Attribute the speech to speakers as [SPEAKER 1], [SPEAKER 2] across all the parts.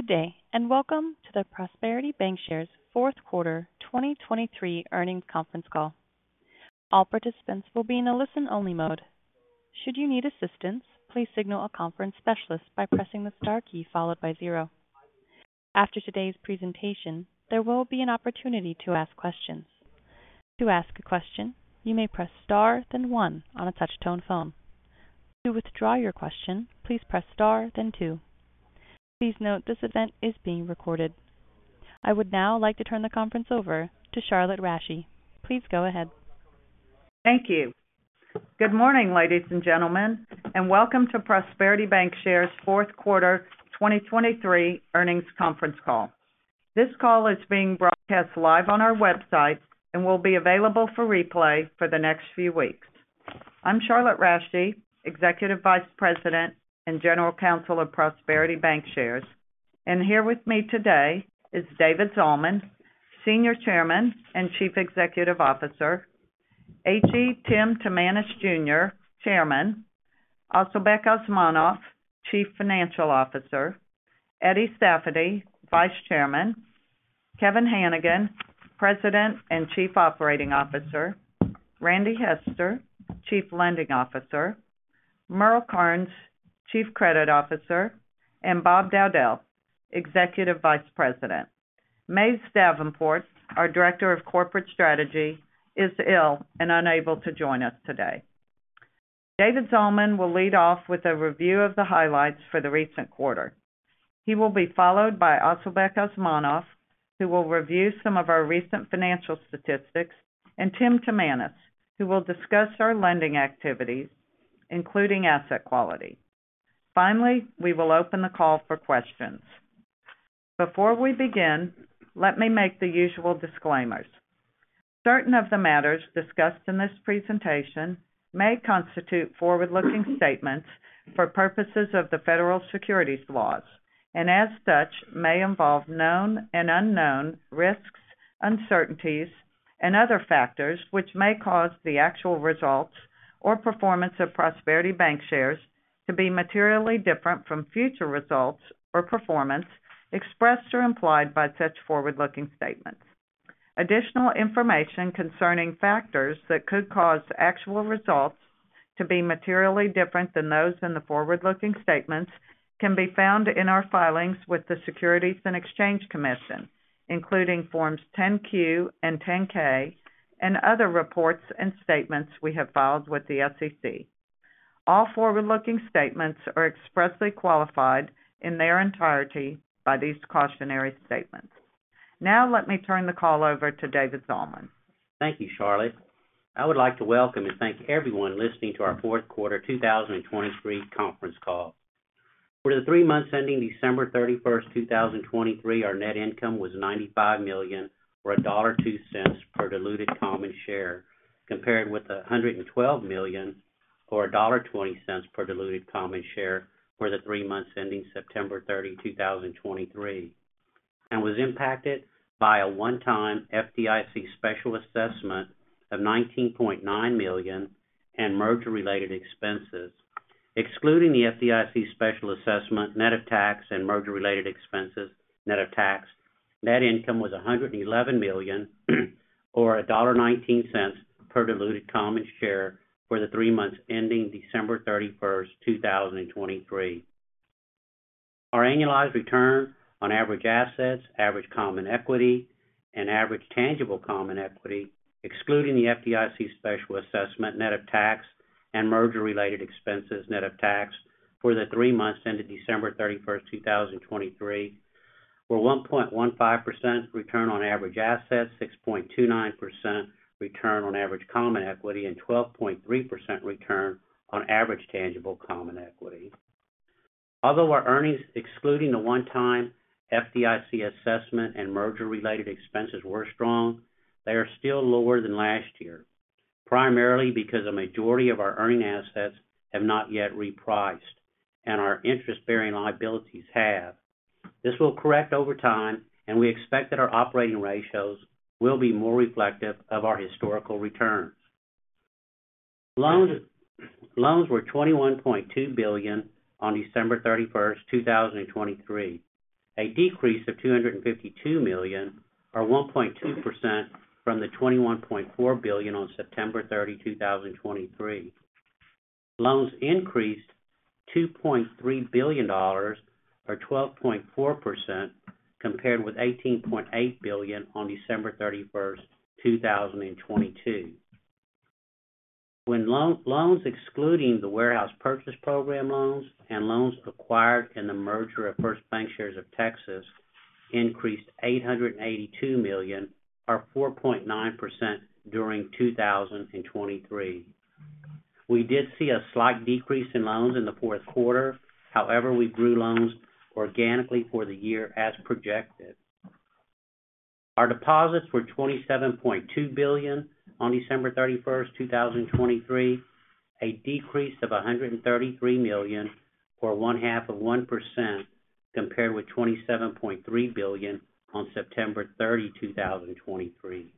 [SPEAKER 1] Good day, and welcome to the Prosperity Bancshares' fourth quarter 2023 earnings conference call. All participants will be in a listen-only mode. Should you need assistance, please signal a conference specialist by pressing the star key followed by zero. After today's presentation, there will be an opportunity to ask questions. To ask a question, you may press star, then one on a touch-tone phone. To withdraw your question, please press star, then two. Please note, this event is being recorded. I would now like to turn the conference over to Charlotte Rasche. Please go ahead.
[SPEAKER 2] Thank you. Good morning, ladies and gentlemen, and welcome to Prosperity Bancshares' fourth quarter 2023 earnings conference call. This call is being broadcast live on our website and will be available for replay for the next few weeks. I'm Charlotte Rasche, Executive Vice President and General Counsel of Prosperity Bancshares, and here with me today is David Zalman, Senior Chairman and Chief Executive Officer, H.E. Tim Timanus, Jr., Chairman, Asylbek Osmonov, Chief Financial Officer, Eddie Safady, Vice Chairman, Kevin Hanigan, President and Chief Operating Officer, Randy Hester, Chief Lending Officer, Merle Karnes, Chief Credit Officer, and Bob Dowdell, Executive Vice President. Mays Davenport, our Director of Corporate Strategy, is ill and unable to join us today. David Zalman will lead off with a review of the highlights for the recent quarter. He will be followed by Asylbek Osmonov, who will review some of our recent financial statistics, and Tim Timanus, who will discuss our lending activities, including asset quality. Finally, we will open the call for questions. Before we begin, let me make the usual disclaimers. Certain of the matters discussed in this presentation may constitute forward-looking statements for purposes of the federal securities laws and, as such, may involve known and unknown risks, uncertainties, and other factors which may cause the actual results or performance of Prosperity Bancshares to be materially different from future results or performance expressed or implied by such forward-looking statements. Additional information concerning factors that could cause actual results to be materially different than those in the forward-looking statements can be found in our filings with the Securities and Exchange Commission, including Forms 10-Q and 10-K, and other reports and statements we have filed with the SEC. All forward-looking statements are expressly qualified in their entirety by these cautionary statements. Now let me turn the call over to David Zalman.
[SPEAKER 3] Thank you, Charlotte. I would like to welcome and thank everyone listening to our fourth quarter 2023 conference call. For the three months ending December 31, 2023, our net income was $95 million, or $1.02 per diluted common share, compared with $112 million or $1.20 per diluted common share for the three months ending September 30, 2023, and was impacted by a one-time FDIC special assessment of $19.9 million and merger-related expenses. Excluding the FDIC special assessment, net of tax and merger-related expenses, net of tax, net income was $111 million, or $1.19 per diluted common share for the three months ending December 31, 2023. Our annualized return on average assets, average common equity, and average tangible common equity, excluding the FDIC special assessment, net of tax and merger-related expenses, net of tax for the three months ended December 31, 2023, were 1.15% return on average assets, 6.29% return on average common equity, and 12.3% return on average tangible common equity. Although our earnings, excluding the one-time FDIC assessment and merger-related expenses, were strong, they are still lower than last year, primarily because a majority of our earning assets have not yet repriced and our interest-bearing liabilities have. This will correct over time, and we expect that our operating ratios will be more reflective of our historical returns. Loans were $21.2 billion on December 31, 2023, a decrease of $252 million, or 1.2%, from the $21.4 billion on September 30, 2023. Loans increased $2.3 billion, or 12.4%, compared with $18.8 billion on December 31, 2022. When loans, excluding the Warehouse Purchase Program loans and loans acquired in the merger of First Bancshares of Texas, increased $882 million, or 4.9% during 2023. We did see a slight decrease in loans in the fourth quarter. However, we grew loans organically for the year as projected. Our deposits were $27.2 billion on December 31, 2023, a decrease of $133 million, or 0.5%, compared with $27.3 billion on September 30, 2023....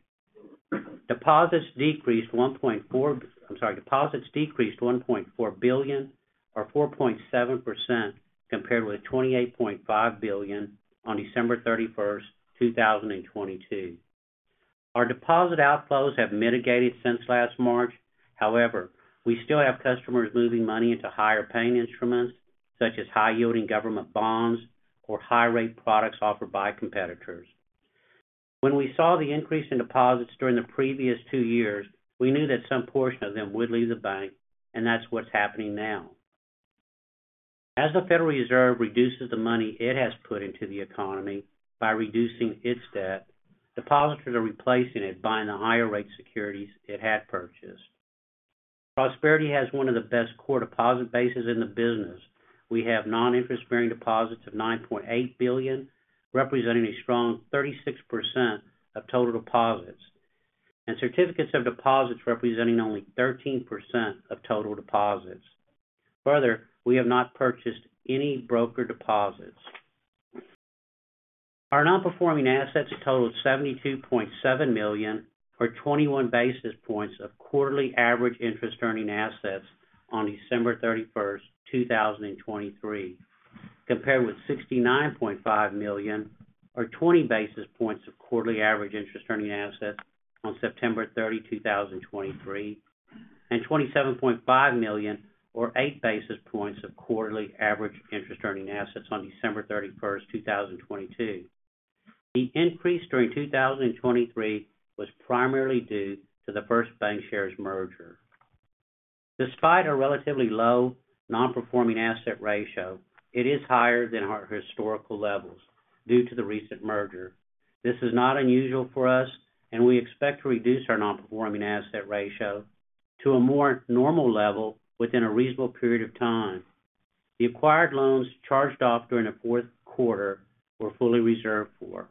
[SPEAKER 3] deposits decreased 1.4, I'm sorry, deposits decreased $1.4 billion or 4.7%, compared with $28.5 billion on December 31, 2022. Our deposit outflows have mitigated since last March. However, we still have customers moving money into higher paying instruments, such as high-yielding government bonds or high-rate products offered by competitors. When we saw the increase in deposits during the previous two years, we knew that some portion of them would leave the bank, and that's what's happening now. As the Federal Reserve reduces the money it has put into the economy by reducing its debt, depositors are replacing it, buying the higher rate securities it had purchased. Prosperity has one of the best core deposit bases in the business. We have non-interest bearing deposits of $9.8 billion, representing a strong 36% of total deposits, and certificates of deposit representing only 13% of total deposits. Further, we have not purchased any broker deposits. Our nonperforming assets totaled $72.7 million, or 21 basis points of quarterly average interest earning assets on December 31, 2023, compared with $69.5 million or 20 basis points of quarterly average interest earning assets on September 30, 2023, and $27.5 million or 8 basis points of quarterly average interest earning assets on December 31, 2022. The increase during 2023 was primarily due to the First Bancshares merger. Despite a relatively low non-performing asset ratio, it is higher than our historical levels due to the recent merger. This is not unusual for us, and we expect to reduce our non-performing asset ratio to a more normal level within a reasonable period of time. The acquired loans charged off during the fourth quarter were fully reserved for.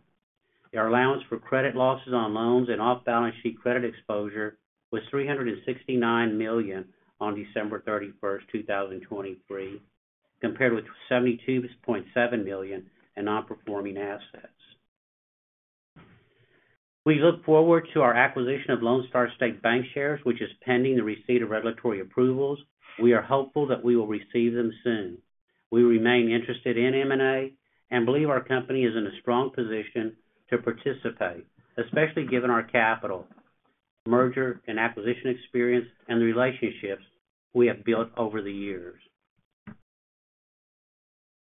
[SPEAKER 3] Our allowance for credit losses on loans and off-balance sheet credit exposure was $369 million on December 31, 2023, compared with $72.7 million in non-performing assets. We look forward to our acquisition of Lone Star State Bancshares, which is pending the receipt of regulatory approvals. We are hopeful that we will receive them soon. We remain interested in M&A and believe our company is in a strong position to participate, especially given our capital, merger and acquisition experience, and the relationships we have built over the years.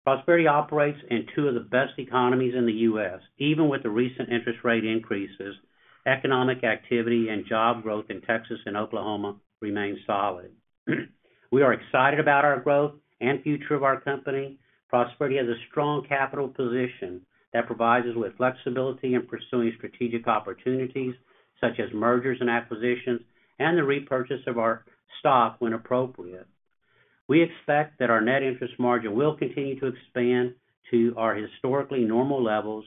[SPEAKER 3] Prosperity operates in two of the best economies in the U.S. Even with the recent interest rate increases, economic activity and job growth in Texas and Oklahoma remain solid. We are excited about our growth and future of our company. Prosperity has a strong capital position that provides us with flexibility in pursuing strategic opportunities such as mergers and acquisitions, and the repurchase of our stock when appropriate. We expect that our net interest margin will continue to expand to our historically normal levels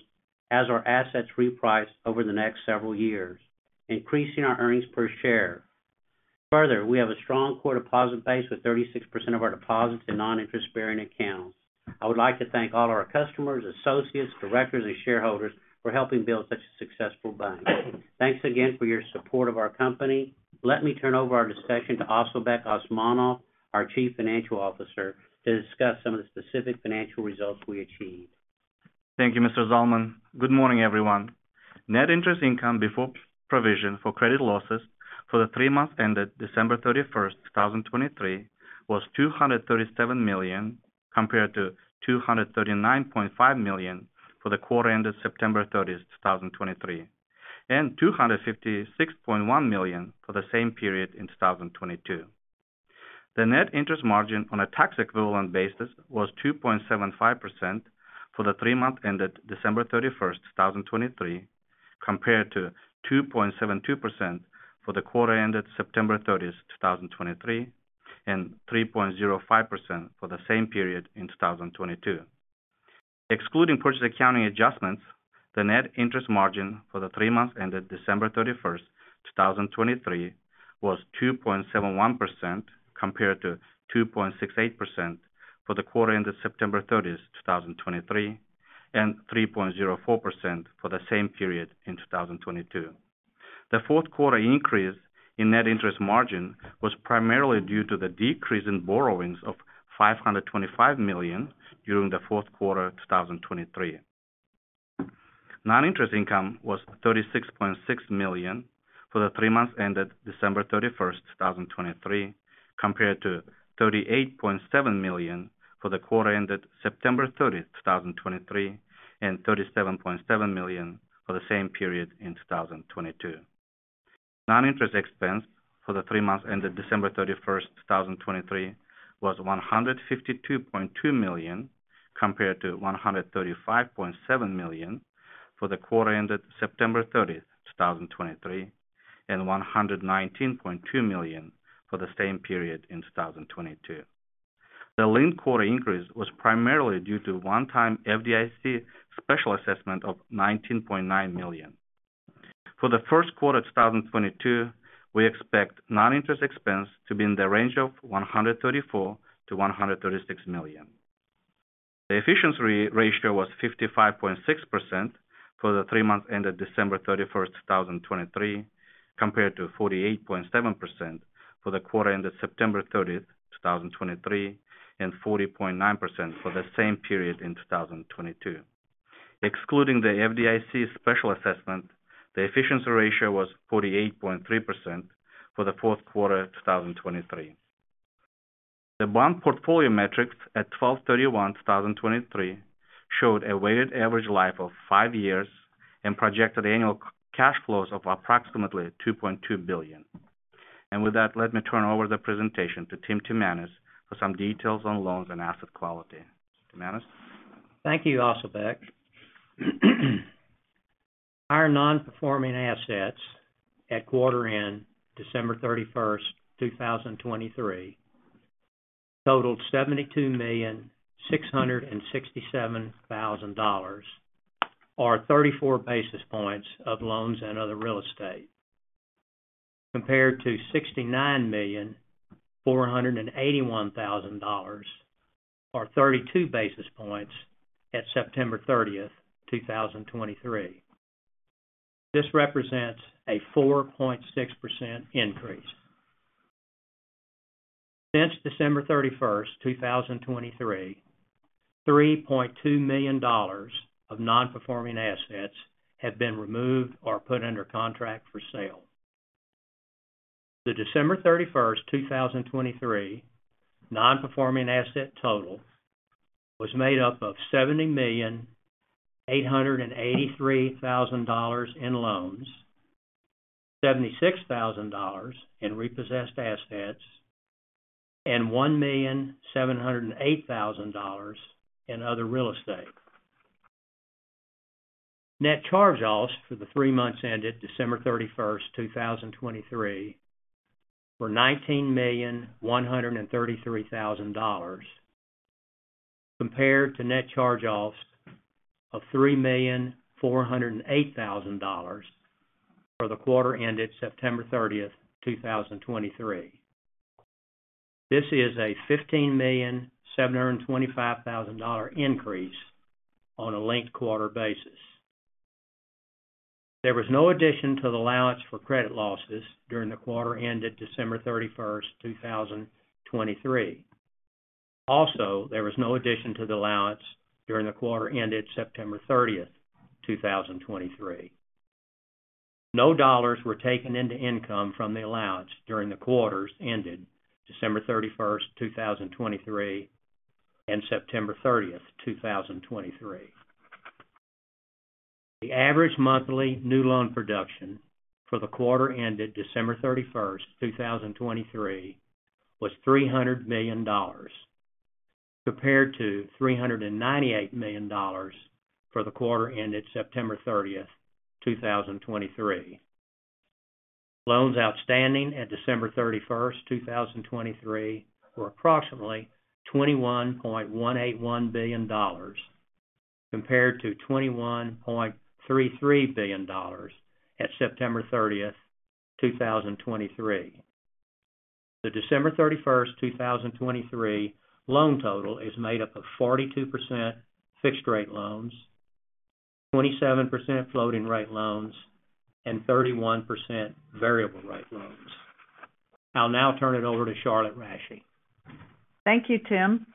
[SPEAKER 3] as our assets reprice over the next several years, increasing our earnings per share. Further, we have a strong core deposit base, with 36% of our deposits in non-interest bearing accounts. I would like to thank all our customers, associates, directors, and shareholders for helping build such a successful bank. Thanks again for your support of our company. Let me turn over our discussion to Asylbek Osmonov, our Chief Financial Officer, to discuss some of the specific financial results we achieved.
[SPEAKER 4] Thank you, Mr. Zalman. Good morning, everyone. Net interest income before provision for credit losses for the three months ended December 31, 2023, was $237 million, compared to $239.5 million for the quarter ended September 30, 2023, and $256.1 million for the same period in 2022. The net interest margin on a tax equivalent basis was 2.75% for the three months ended December 31, 2023, compared to 2.72% for the quarter ended September 30, 2023, and 3.05% for the same period in 2022. Excluding purchase accounting adjustments, the net interest margin for the three months ended December 31, 2023, was 2.71%, compared to 2.68% for the quarter ended September 30, 2023, and 3.04% for the same period in 2022. The fourth quarter increase in net interest margin was primarily due to the decrease in borrowings of $525 million during the fourth quarter of 2023. Non-interest income was $36.6 million for the three months ended December 31, 2023, compared to $38.7 million for the quarter ended September 30, 2023, and $37.7 million for the same period in 2022. Non-interest expense for the three months ended December 31, 2023, was $152.2 million, compared to $135.7 million for the quarter ended September 30, 2023, and $119.2 million for the same period in 2022. The linked quarter increase was primarily due to a one-time FDIC special assessment of $19.9 million. For the first quarter of 2022, we expect non-interest expense to be in the range of $134 million-$136 million....The efficiency ratio was 55.6% for the three months ended December 31, 2023, compared to 48.7% for the quarter ended September 30, 2023, and 40.9% for the same period in 2022. Excluding the FDIC special assessment, the efficiency ratio was 48.3% for the fourth quarter of 2023. The bond portfolio metrics at 12/31/2023 showed a weighted average life of five years and projected annual cash flows of approximately $2.2 billion. And with that, let me turn over the presentation to Tim Timanus for some details on loans and asset quality. Timanus?
[SPEAKER 5] Thank you, Asylbek. Our non-performing assets at quarter end, December 31st, 2023, totaled $72,667,000, or 34 basis points of loans and other real estate, compared to $69,481,000, or 32 basis points, at September 30th, 2023. This represents a 4.6% increase. Since December 31st, 2023, $3.2 million of non-performing assets have been removed or put under contract for sale. The December thirty-first, two thousand twenty-three, non-performing asset total was made up of $70,883,000 in loans, $76,000 in repossessed assets, and $1,708,000 in other real estate. Net charge-offs for the three months ended December 31, 2023, were $19,133,000, compared to net charge-offs of $3,408,000 for the quarter ended September 30, 2023. This is a $15,725,000 increase on a linked quarter basis. There was no addition to the allowance for credit losses during the quarter ended December 31, 2023. Also, there was no addition to the allowance during the quarter ended September 30, 2023. No dollars were taken into income from the allowance during the quarters ended December 31, 2023, and September 30, 2023. The average monthly new loan production for the quarter ended December 31, 2023, was $300 million, compared to $398 million for the quarter ended September 30, 2023. Loans outstanding at December 31, 2023, were approximately $21.181 billion, compared to $21.33 billion at September 30, 2023. The December 31, 2023, loan total is made up of 42% fixed-rate loans, 27% floating-rate loans, and 31% variable-rate loans. I'll now turn it over to Charlotte Rasche.
[SPEAKER 2] Thank you, Tim.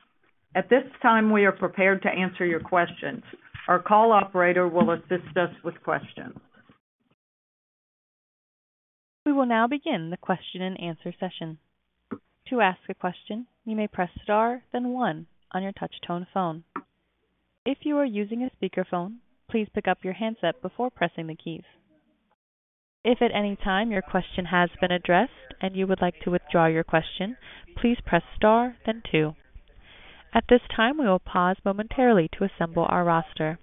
[SPEAKER 2] At this time, we are prepared to answer your questions. Our call operator will assist us with questions.
[SPEAKER 1] We will now begin the question and answer session. To ask a question, you may press star, then one on your touch tone phone. If you are using a speakerphone, please pick up your handset before pressing the keys. If at any time your question has been addressed and you would like to withdraw your question, please press star then two. At this time, we will pause momentarily to assemble our roster.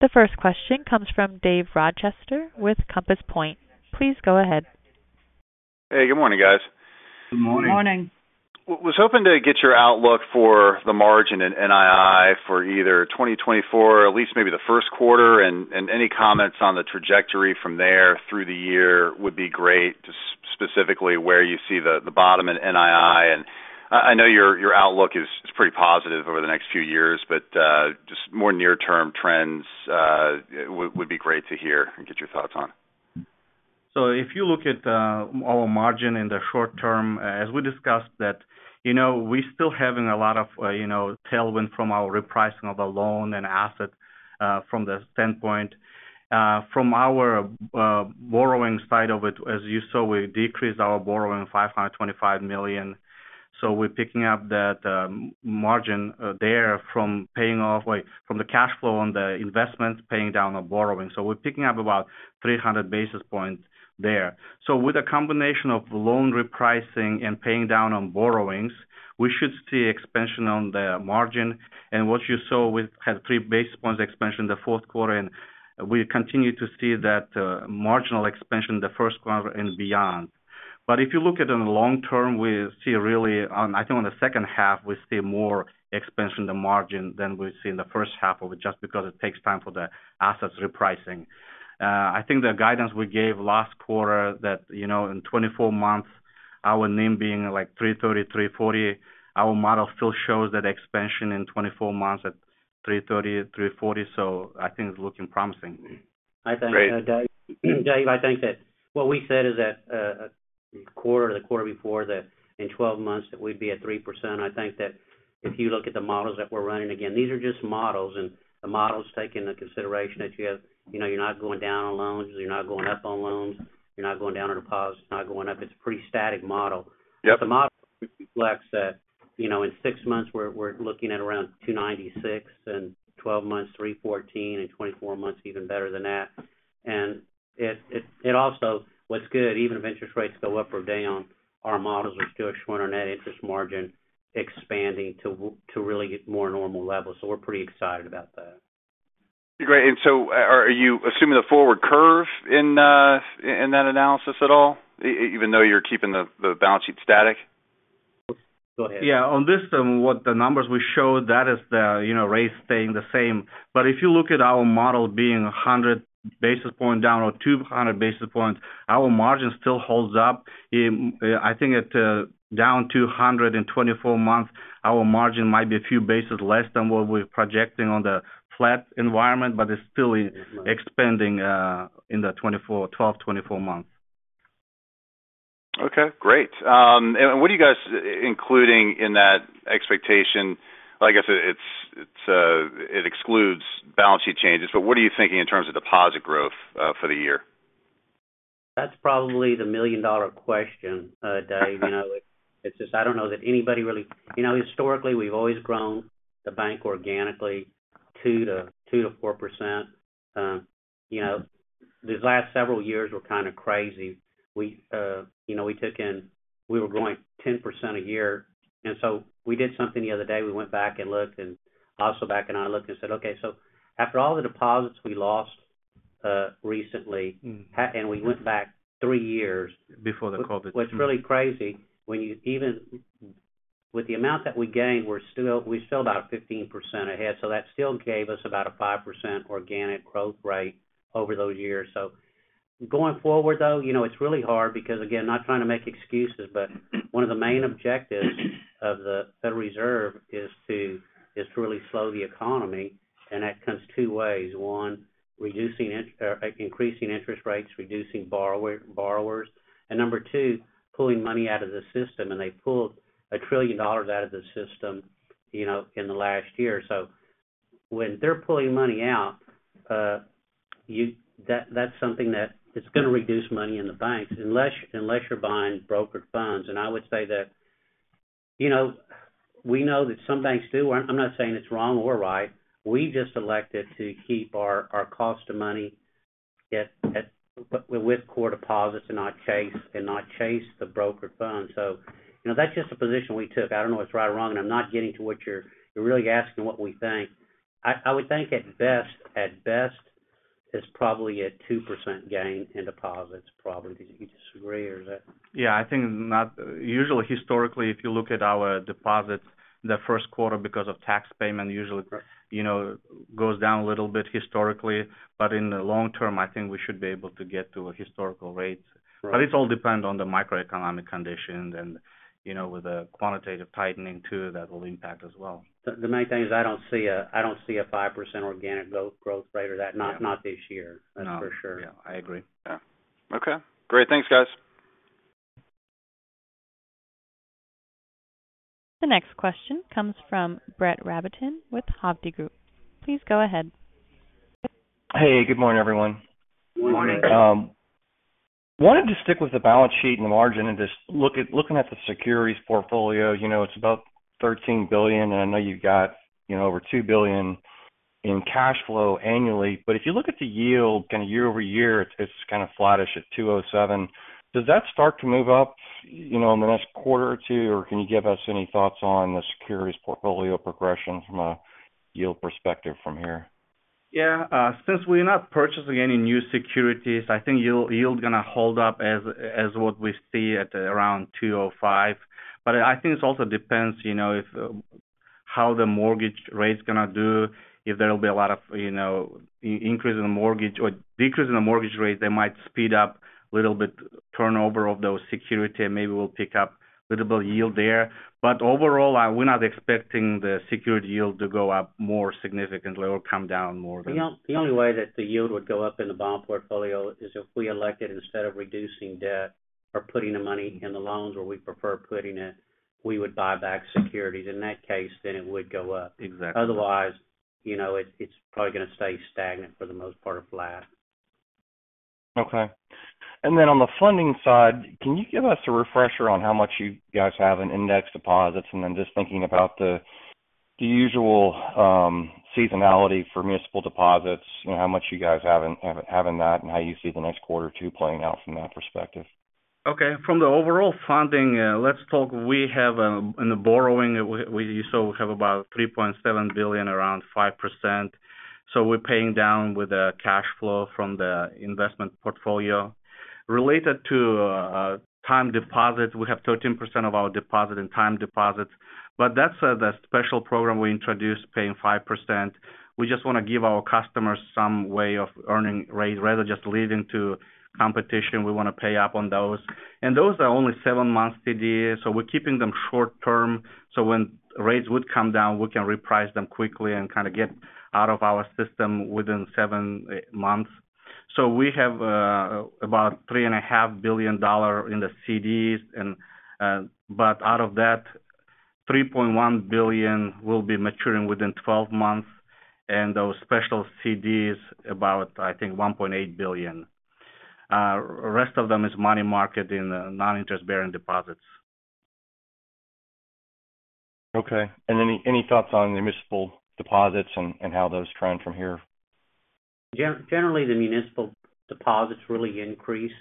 [SPEAKER 1] The first question comes from Dave Rochester with Compass Point. Please go ahead.
[SPEAKER 6] Hey, good morning, guys.
[SPEAKER 4] Good morning.
[SPEAKER 2] Good morning.
[SPEAKER 6] I was hoping to get your outlook for the margin and NII for either 2024, or at least maybe the first quarter, and any comments on the trajectory from there through the year would be great. Just specifically, where you see the bottom in NII. And I know your outlook is pretty positive over the next few years, but just more near-term trends would be great to hear and get your thoughts on.
[SPEAKER 4] So if you look at our margin in the short term, as we discussed, that you know we're still having a lot of you know tailwind from our repricing of the loan and asset from the standpoint. From our borrowing side of it, as you saw, we decreased our borrowing $525 million. So we're picking up that margin there from the cash flow on the investments, paying down on borrowing. So we're picking up about 300 basis points there. So with a combination of loan repricing and paying down on borrowings, we should see expansion on the margin. And what you saw, we had 3 basis points expansion in the fourth quarter, and we continue to see that marginal expansion in the first quarter and beyond. But if you look at in the long term, we see, I think, in the second half, we see more expansion in the margin than we see in the first half of it, just because it takes time for the assets repricing. I think the guidance we gave last quarter, that, you know, in 24 months our NIM being like 3.30%-3.40%, our model still shows that expansion in 24 months at 3.30%-3.40%. So I think it's looking promising.
[SPEAKER 3] I think, Dave, Dave, I think that what we said is that, quarter to quarter before that in 12 months, that we'd be at 3%. I think that if you look at the models that we're running, again, these are just models, and the models take into consideration that you have, you know, you're not going down on loans, you're not going up on loans, you're not going down on deposits, not going up. It's a pretty static model.
[SPEAKER 6] Yep.
[SPEAKER 3] The model reflects that, you know, in six months, we're looking at around 2.96%, and 12 months, 3.14%, and 24 months, even better than that. It also, what's good, even if interest rates go up or down, our models are still showing our net interest margin expanding to really more normal levels. So we're pretty excited about that.
[SPEAKER 6] Great. And so are you assuming the forward curve in that analysis at all, even though you're keeping the balance sheet static?
[SPEAKER 4] Go ahead. Yeah, on this then, what the numbers we showed, that is the, you know, rates staying the same. But if you look at our model being 100 basis points down or 200 basis points, our margin still holds up. In, I think at, down 200 in 24 months, our margin might be a few basis points less than what we're projecting on the flat environment, but it's still expanding, in the 24--12, 24 months.
[SPEAKER 6] Okay, great. What are you guys including in that expectation? I guess, it excludes balance sheet changes, but what are you thinking in terms of deposit growth for the year?
[SPEAKER 3] That's probably the million-dollar question, Dave. You know, it's just I don't know that anybody really... You know, historically, we've always grown the bank organically, 2%-4%. You know, these last several years were kind of crazy. We, you know, we took in, we were growing 10% a year, and so we did something the other day. We went back and looked, and Asylbek and I looked and said, okay, so after all the deposits we lost, recently-
[SPEAKER 4] Mm-hmm.
[SPEAKER 3] and we went back three years.
[SPEAKER 4] Before the COVID.
[SPEAKER 3] What's really crazy. With the amount that we gained, we're still about 15% ahead, so that still gave us about a 5% organic growth rate over those years. So going forward, though, you know, it's really hard because, again, not trying to make excuses, but one of the main objectives of the Federal Reserve is to really slow the economy, and that comes two ways: one, increasing interest rates, reducing borrowers, and number two, pulling money out of the system, and they pulled $1 trillion out of the system, you know, in the last year. So when they're pulling money out, that's something that is going to reduce money in the banks, unless you're buying brokered funds. And I would say that, you know, we know that some banks do. I'm not saying it's wrong or right. We just elected to keep our cost of money at with core deposits and not chase the brokered funds. So, you know, that's just a position we took. I don't know it's right or wrong, and I'm not getting to what you're really asking what we think. I would think at best, it's probably a 2% gain in deposits, probably. Do you disagree, or is that?
[SPEAKER 4] Yeah, I think not... Usually, historically, if you look at our deposits, the first quarter, because of tax payment, usually-
[SPEAKER 3] Right
[SPEAKER 4] You know, goes down a little bit historically, but in the long term, I think we should be able to get to historical rates.
[SPEAKER 3] Right.
[SPEAKER 4] But it all depend on the microeconomic conditions and, you know, with the quantitative tightening, too, that will impact as well.
[SPEAKER 3] The main thing is I don't see a 5% organic growth rate or that, not this year.
[SPEAKER 4] No.
[SPEAKER 3] That's for sure.
[SPEAKER 4] Yeah, I agree.
[SPEAKER 6] Yeah. Okay, great. Thanks, guys.
[SPEAKER 1] The next question comes from Brett Rabotin with Hovde Group. Please go ahead.
[SPEAKER 7] Hey, good morning, everyone.
[SPEAKER 4] Good morning.
[SPEAKER 3] Good morning.
[SPEAKER 7] Wanted to stick with the balance sheet and the margin and just look at the securities portfolio, you know, it's about $13 billion, and I know you've got, you know, over $2 billion in cash flow annually. But if you look at the yield kind of year-over-year, it's, it's kind of flattish at 2.07%. Does that start to move up, you know, in the next quarter or two, or can you give us any thoughts on the securities portfolio progression from a yield perspective from here?
[SPEAKER 4] Yeah. Since we're not purchasing any new securities, I think yield, yield going to hold up as what we see at around 2.05%. But I think this also depends, you know, if, how the mortgage rate's going to do. If there will be a lot of, you know, increase in the mortgage or decrease in the mortgage rate, they might speed up a little bit turnover of those securities, and maybe we'll pick up a little bit of yield there. But overall, we're not expecting the securities yield to go up more significantly or come down more than-
[SPEAKER 3] The only way that the yield would go up in the bond portfolio is if we elected, instead of reducing debt or putting the money in the loans where we prefer putting it, we would buy back securities. In that case, then it would go up.
[SPEAKER 4] Exactly.
[SPEAKER 3] Otherwise, you know, it's probably going to stay stagnant for the most part, or flat.
[SPEAKER 7] Okay. And then on the funding side, can you give us a refresher on how much you guys have in index deposits, and then just thinking about the usual seasonality for municipal deposits, you know, how much you guys have in that, and how you see the next quarter, too, playing out from that perspective?
[SPEAKER 4] Okay. From the overall funding, let's talk, we have, in the borrowing, we, we saw we have about $3.7 billion, around 5%. So we're paying down with the cash flow from the investment portfolio. Related to time deposit, we have 13% of our deposit in time deposits, but that's the special program we introduced, paying 5%. We just want to give our customers some way of earning rate rather than just leading to competition. We want to pay up on those. And those are only seven months CDs, so we're keeping them short term, so when rates would come down, we can reprice them quickly and kind of get out of our system within seven-eight months. So we have about $3.5 billion in the CDs and, but out of that, $3.1 billion will be maturing within 12 months, and those special CDs about, I think, $1.8 billion. Rest of them is money market in non-interest-bearing deposits.
[SPEAKER 7] Okay, and any thoughts on the municipal deposits and how those trend from here?
[SPEAKER 3] Generally, the municipal deposits really increase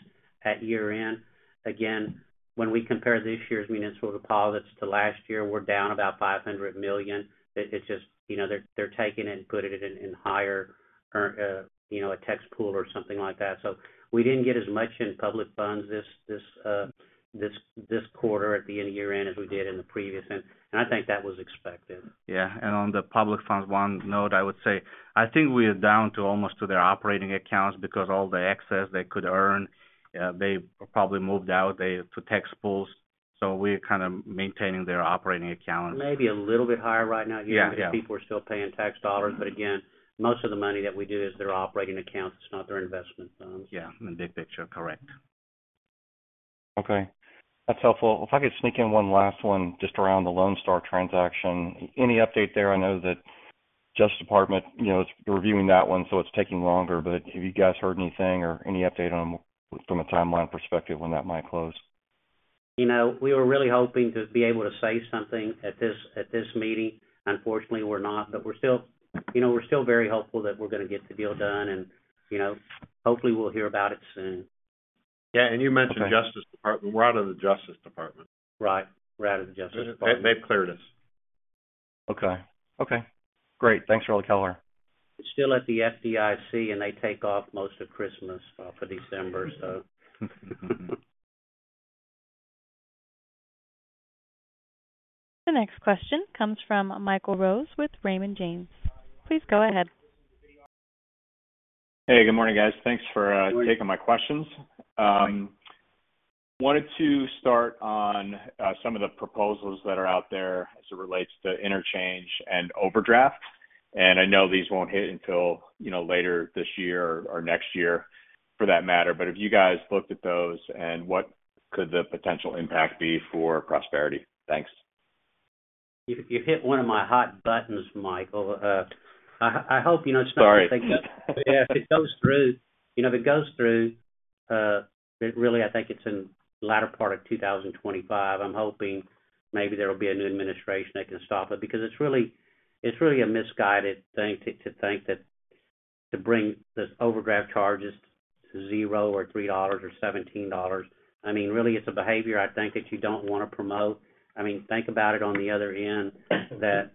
[SPEAKER 3] at year-end. Again, when we compare this year's municipal deposits to last year, we're down about $500 million. It's just, you know, they're taking it and putting it in higher earning, you know, a tax pool or something like that. So we didn't get as much in public funds this quarter at the end of year-end, as we did in the previous end, and I think that was expected.
[SPEAKER 4] Yeah, and on the public funds one note, I would say I think we are down to almost to their operating accounts because all the excess they could earn, they probably moved out, they, to tax pools. So we're kind of maintaining their operating accounts.
[SPEAKER 3] Maybe a little bit higher right now-
[SPEAKER 4] Yeah, yeah.
[SPEAKER 3] Because people are still paying tax dollars. But again, most of the money that we do is their operating accounts. It's not their investment funds.
[SPEAKER 4] Yeah, in the big picture, correct.
[SPEAKER 7] Okay, that's helpful. If I could sneak in one last one just around the Lone Star transaction. Any update there? I know that Justice Department, you know, is reviewing that one, so it's taking longer, but have you guys heard anything or any update on, from a timeline perspective, when that might close?
[SPEAKER 3] You know, we were really hoping to be able to say something at this meeting. Unfortunately, we're not, but we're still... you know, we're still very hopeful that we're going to get the deal done and, you know, hopefully, we'll hear about it soon.
[SPEAKER 4] Yeah, and you mentioned-
[SPEAKER 7] Okay...
[SPEAKER 4] Justice Department. We're out of the Justice Department.
[SPEAKER 3] Right. We're out of the Justice Department.
[SPEAKER 4] They've cleared us.
[SPEAKER 7] Okay. Okay, great. Thanks, Hard to tell.
[SPEAKER 3] It's still at the FDIC, and they take off most of Christmas, for December, so.
[SPEAKER 1] The next question comes from Michael Rose with Raymond James. Please go ahead.
[SPEAKER 8] Hey, good morning, guys. Thanks for taking my questions. Wanted to start on some of the proposals that are out there as it relates to interchange and overdraft, and I know these won't hit until, you know, later this year or next year, for that matter. But have you guys looked at those, and what could the potential impact be for Prosperity? Thanks.
[SPEAKER 3] You, you hit one of my hot buttons, Michael. I hope you know, it's not-
[SPEAKER 8] Sorry.
[SPEAKER 3] Yeah, if it goes through, you know, if it goes through, it really I think it's in the latter part of 2025. I'm hoping maybe there will be a new administration that can stop it, because it's really, it's really a misguided thing to, to think that to bring this overdraft charges to zero or $3 or $17, I mean, really, it's a behavior I think that you don't want to promote. I mean, think about it on the other end, that,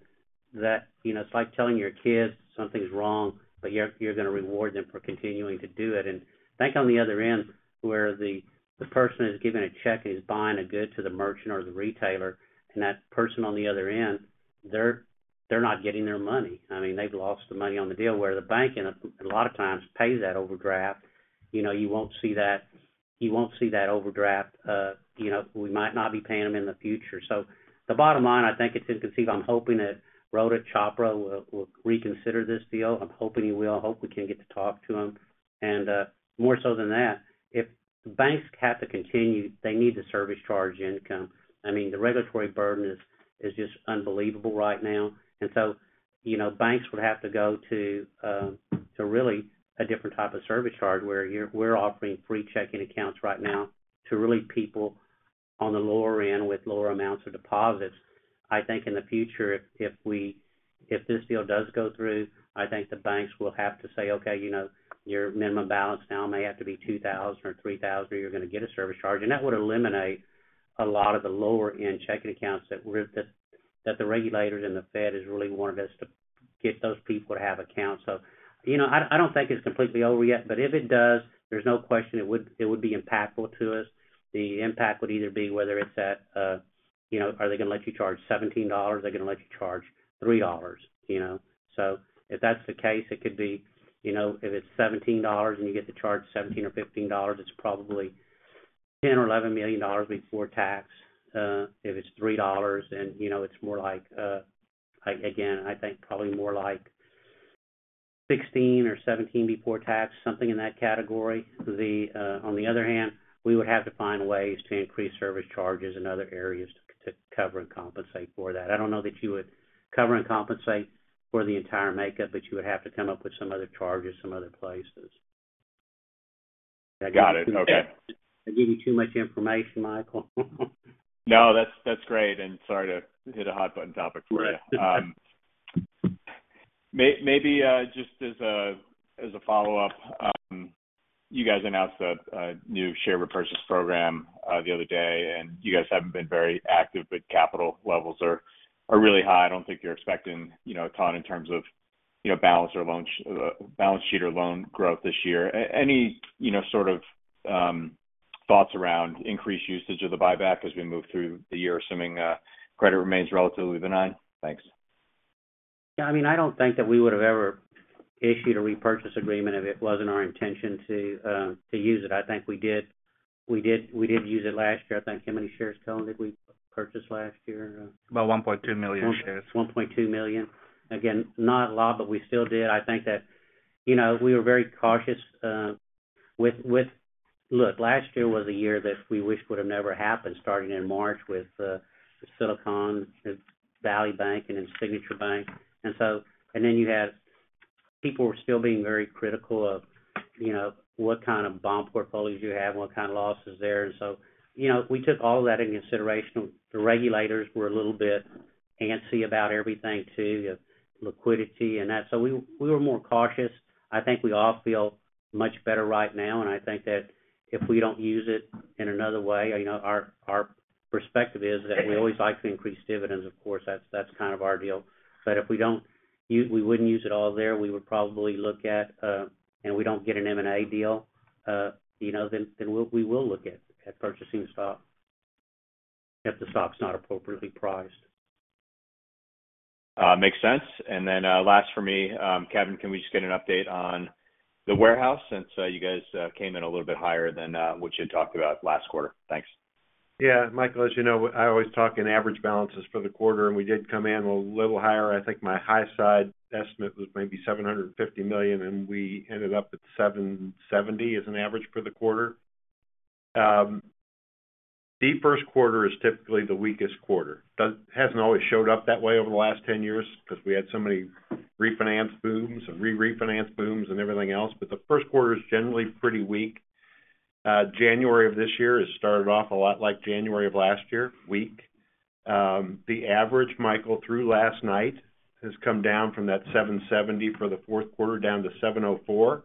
[SPEAKER 3] that, you know, it's like telling your kids something's wrong, but you're, you're going to reward them for continuing to do it. And think on the other end, where the, the person who's given a check and is buying a good to the merchant or the retailer, and that person on the other end, they're, they're not getting their money. I mean, they've lost the money on the deal, where the bank and a lot of times pays that overdraft. You know, you won't see that overdraft, you know, we might not be paying them in the future. So the bottom line, I think it's inconceivable. I'm hoping that Rohit Chopra will reconsider this deal. I'm hoping he will, hope we can get to talk to him. And more so than that, if banks have to continue, they need the service charge income. I mean, the regulatory burden is just unbelievable right now. And so, you know, banks would have to go to really a different type of service charge, where you're we're offering free checking accounts right now to really people on the lower end with lower amounts of deposits. I think in the future, if this deal does go through, I think the banks will have to say, "Okay, you know, your minimum balance now may have to be 2,000 or 3,000, or you're going to get a service charge." And that would eliminate a lot of the lower-end checking accounts that we're, that the regulators and the Fed has really wanted us to get those people to have accounts. So, you know, I don't think it's completely over yet, but if it does, there's no question it would be impactful to us. The impact would either be whether it's at, you know, are they going to let you charge $17? Are they going to let you charge $3, you know? So if that's the case, it could be, you know, if it's $17 and you get to charge $17 or $15, it's probably $10 million or $11 million before tax. If it's $3, then, you know, it's more like, again, I think probably more like $16 million or $17 million before tax, something in that category. On the other hand, we would have to find ways to increase service charges in other areas to, to cover and compensate for that. I don't know that you would cover and compensate for the entire makeup, but you would have to come up with some other charges, some other places.
[SPEAKER 8] Got it. Okay.
[SPEAKER 3] I gave you too much information, Michael?
[SPEAKER 8] No, that's, that's great, and sorry to hit a hot button topic for you.
[SPEAKER 3] Right.
[SPEAKER 8] Maybe just as a follow-up, you guys announced a new share repurchase program the other day, and you guys haven't been very active, but capital levels are really high. I don't think you're expecting, you know, a ton in terms of, you know, balance sheet or loan growth this year. Any, you know, sort of thoughts around increased usage of the buyback as we move through the year, assuming credit remains relatively benign? Thanks.
[SPEAKER 3] Yeah, I mean, I don't think that we would have ever issued a repurchase agreement if it wasn't our intention to, to use it. I think we did, we did, we did use it last year. I think, how many shares, Cullen, did we purchase last year?
[SPEAKER 4] About 1.2 million shares.
[SPEAKER 3] $1.2 million. Again, not a lot, but we still did. I think that, you know, we were very cautious with— Look, last year was a year that we wish would have never happened, starting in March with Silicon Valley Bank and then Signature Bank. And so... And then you had people were still being very critical of, you know, what kind of bond portfolios you have and what kind of losses there. And so, you know, we took all that into consideration. The regulators were a little bit antsy about everything, too, liquidity and that. So we were more cautious. I think we all feel much better right now, and I think that if we don't use it in another way, you know, our perspective is that we always like to increase dividends, of course, that's kind of our deal. But if we don't use, we wouldn't use it all there, we would probably look at, and we don't get an M&A deal, you know, then, then we'll, we will look at, at purchasing stock, if the stock's not appropriately priced.
[SPEAKER 8] Makes sense. And then, last for me, Kevin, can we just get an update on the warehouse since you guys came in a little bit higher than what you had talked about last quarter? Thanks.
[SPEAKER 9] Yeah, Michael, as you know, I always talk in average balances for the quarter, and we did come in a little higher. I think my high side estimate was maybe $750 million, and we ended up at $770 million as an average for the quarter. The first quarter is typically the weakest quarter. It hasn't always showed up that way over the last 10 years because we had so many refinance booms and re-refinance booms and everything else, but the first quarter is generally pretty weak. January of this year has started off a lot like January of last year, weak. The average, Michael, through last night, has come down from that $770 million for the fourth quarter down to $704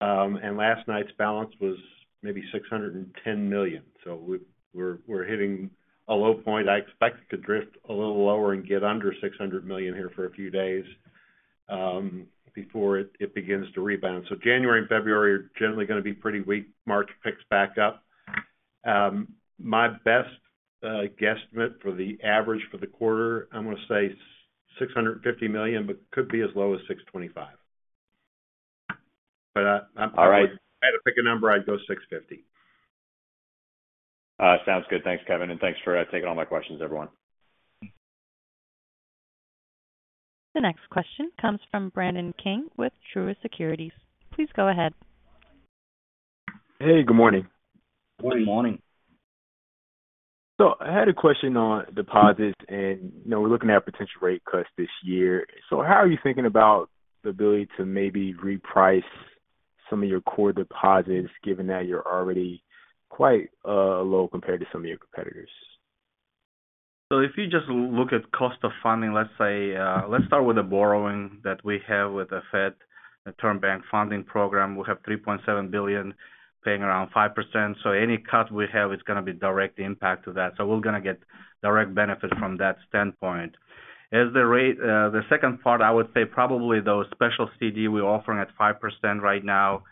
[SPEAKER 9] million. And last night's balance was maybe $610 million. So we're hitting a low point. I expect it to drift a little lower and get under $600 million here for a few days before it begins to rebound. So January and February are generally going to be pretty weak. March picks back up. My best guesstimate for the average for the quarter, I'm going to say $650 million, but could be as low as $625 million. But I-
[SPEAKER 8] All right.
[SPEAKER 9] If I had to pick a number, I'd go $650 million.
[SPEAKER 8] Sounds good. Thanks, Kevin. Thanks for taking all my questions, everyone.
[SPEAKER 1] The next question comes from Brandon King with Truist Securities. Please go ahead.
[SPEAKER 10] Hey, good morning.
[SPEAKER 4] Good morning.
[SPEAKER 3] Morning.
[SPEAKER 10] So I had a question on deposits, and, you know, we're looking at potential rate cuts this year. So how are you thinking about the ability to maybe reprice some of your core deposits, given that you're already quite low compared to some of your competitors?
[SPEAKER 4] So if you just look at cost of funding, let's say, let's start with the borrowing that we have with the Fed, the Bank Term Funding Program. We have $3.7 billion paying around 5%, so any cut we have is going to be direct impact to that. So we're going to get direct benefit from that standpoint. As the rate, the second part, I would say probably those special CD we're offering at 5% right now.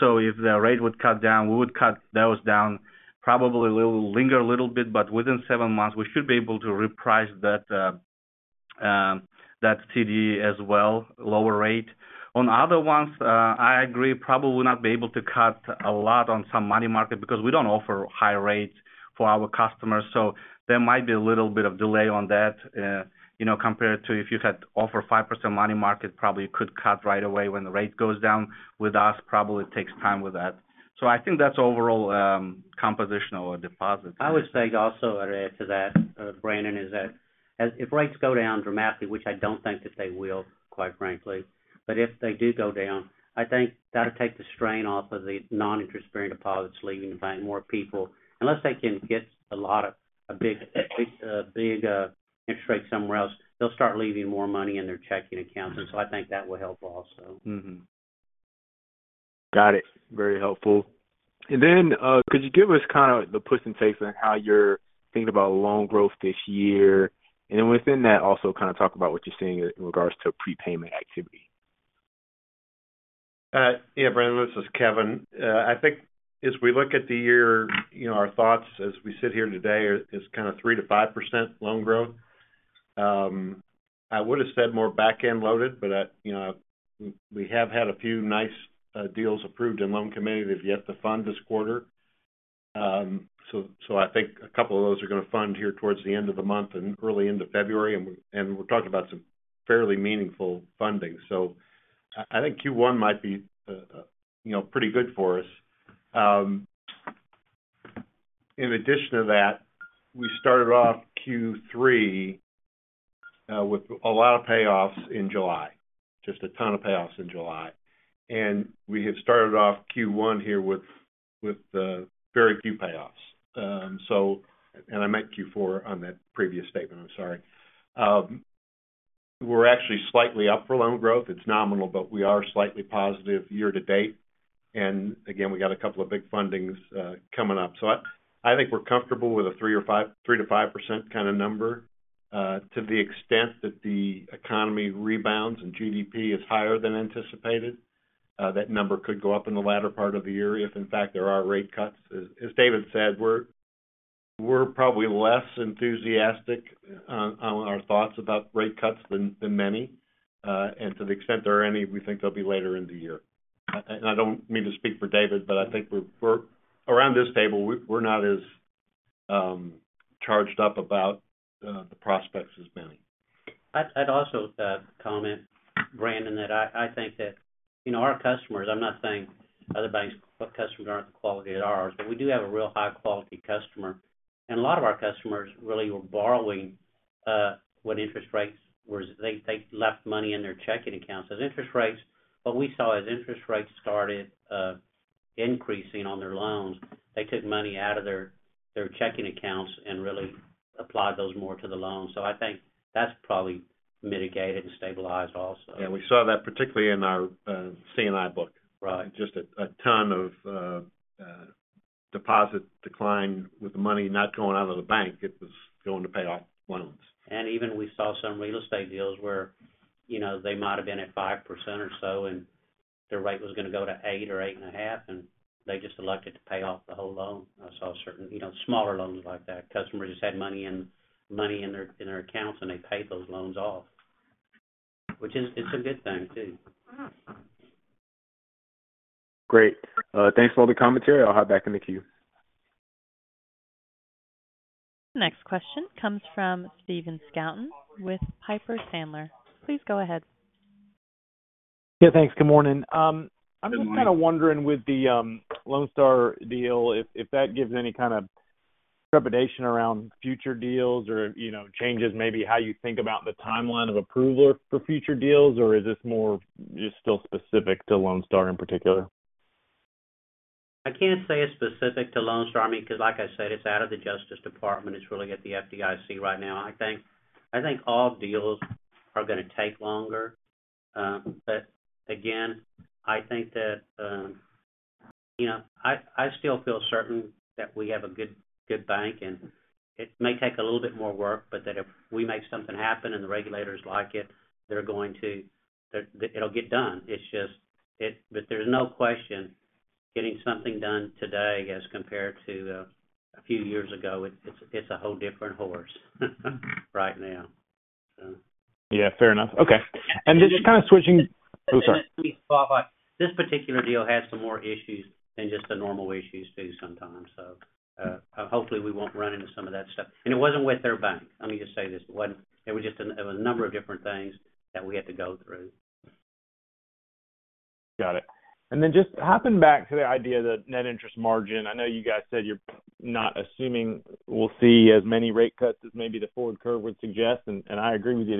[SPEAKER 4] So if the rate would cut down, we would cut those down. Probably will linger a little bit, but within 7 months, we should be able to reprice that CD as well, lower rate. On other ones, I agree, probably will not be able to cut a lot on some money market because we don't offer high rates for our customers, so there might be a little bit of delay on that. You know, compared to if you had offer 5% money market, probably you could cut right away when the rate goes down. With us, probably it takes time with that. So I think that's overall composition of our deposits.
[SPEAKER 3] I would say also to add to that, Brandon, is that as if rates go down dramatically, which I don't think that they will, quite frankly, but if they do go down, I think that'll take the strain off of the non-interest bearing deposits, leaving the bank more people. Unless they can get a lot of a big interest rate somewhere else, they'll start leaving more money in their checking accounts. And so I think that will help also.
[SPEAKER 4] Mm-hmm.
[SPEAKER 10] Got it. Very helpful. And then, could you give us kind of the pros and cons on how you're thinking about loan growth this year? And then within that, also kind of talk about what you're seeing in regards to prepayment activity.
[SPEAKER 9] Yeah, Brandon, this is Kevin. I think as we look at the year, you know, our thoughts as we sit here today are, is kind of 3%-5% loan growth. I would have said more back-end loaded, but, you know, we have had a few nice deals approved in loan committee that we have yet to fund this quarter. So, so I think a couple of those are going to fund here towards the end of the month and early into February, and we, and we're talking about some fairly meaningful funding. So I think Q1 might be, you know, pretty good for us. In addition to that, we started off Q3 with a lot of payoffs in July, just a ton of payoffs in July. We have started off Q1 here with very few payoffs. And I meant Q4 on that previous statement, I'm sorry....
[SPEAKER 4] we're actually slightly up for loan growth. It's nominal, but we are slightly positive year to date. And again, we got a couple of big fundings coming up. So I think we're comfortable with a 3% or 5%—3% to 5% kind of number, to the extent that the economy rebounds and GDP is higher than anticipated, that number could go up in the latter part of the year if, in fact, there are rate cuts. As David said, we're probably less enthusiastic on our thoughts about rate cuts than many. And to the extent there are any, we think they'll be later in the year. I don't mean to speak for David, but I think we're around this table, we're not as charged up about the prospects as many.
[SPEAKER 3] I'd also comment, Brandon, that I think that, you know, our customers, I'm not saying other banks' customers aren't the quality of ours, but we do have a real high-quality customer, and a lot of our customers really were borrowing when interest rates were, they left money in their checking accounts. As interest rates what we saw as interest rates started increasing on their loans, they took money out of their checking accounts and really applied those more to the loans. So I think that's probably mitigated and stabilized also.
[SPEAKER 4] Yeah, we saw that particularly in our C&I book.
[SPEAKER 3] Right.
[SPEAKER 4] Just a ton of deposit decline with the money not going out of the bank. It was going to pay off loans.
[SPEAKER 3] Even we saw some real estate deals where, you know, they might have been at 5% or so, and their rate was going to go to 8% or 8.5%, and they just elected to pay off the whole loan. I saw certain, you know, smaller loans like that. Customers just had money in, money in their, in their accounts, and they paid those loans off, which is—it's a good thing, too.
[SPEAKER 10] Great. Thanks for all the commentary. I'll hop back in the queue.
[SPEAKER 1] Next question comes from Stephen Scouton with Piper Sandler. Please go ahead.
[SPEAKER 11] Yeah, thanks. Good morning.
[SPEAKER 4] Good morning.
[SPEAKER 11] I'm just kind of wondering with the Lone Star deal, if that gives any kind of trepidation around future deals or, you know, changes maybe how you think about the timeline of approval for future deals, or is this more just still specific to Lone Star in particular?
[SPEAKER 3] I can't say it's specific to Lone Star. I mean, because like I said, it's out of the Justice Department. It's really at the FDIC right now. I think, I think all deals are going to take longer. But again, I think that, you know, I, I still feel certain that we have a good, good bank, and it may take a little bit more work, but that if we make something happen and the regulators like it, they're going to-- that it'll get done. It's just, it-- but there's no question getting something done today as compared to, a few years ago, it's, it's a whole different horse right now, so.
[SPEAKER 11] Yeah, fair enough. Okay. And then just kind of switching... Oh, sorry.
[SPEAKER 3] Let me qualify. This particular deal has some more issues than just the normal issues too, sometimes. So, hopefully, we won't run into some of that stuff. And it wasn't with their bank. Let me just say this: It wasn't, there were just a number of different things that we had to go through.
[SPEAKER 11] Got it. And then just hopping back to the idea that net interest margin, I know you guys said you're not assuming we'll see as many rate cuts as maybe the forward curve would suggest, and, and I agree with you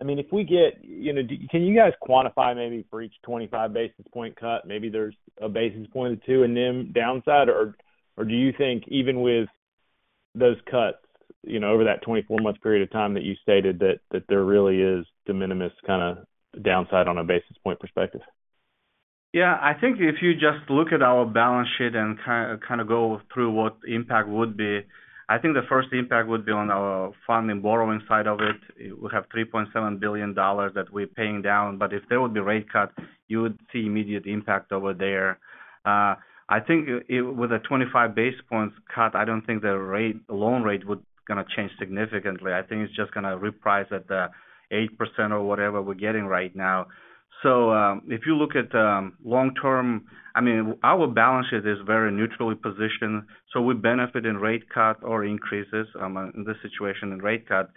[SPEAKER 11] there. But, I mean, if we get, you know, can you guys quantify maybe for each 25 basis point cut, maybe there's a basis point or two in NIM downside? Or, or do you think even with those cuts, you know, over that 24 month period of time that you stated that, that there really is de minimis kind of downside on a basis point perspective?
[SPEAKER 4] Yeah, I think if you just look at our balance sheet and kind of go through what the impact would be, I think the first impact would be on our funding borrowing side of it. We have $3.7 billion that we're paying down, but if there would be rate cut, you would see immediate impact over there. I think it with a 25 basis points cut, I don't think the rate, loan rate would gonna change significantly. I think it's just gonna reprice at the 8% or whatever we're getting right now. So, if you look at the long term, I mean, our balance sheet is very neutrally positioned, so we benefit in rate cut or increases, in this situation in rate cut.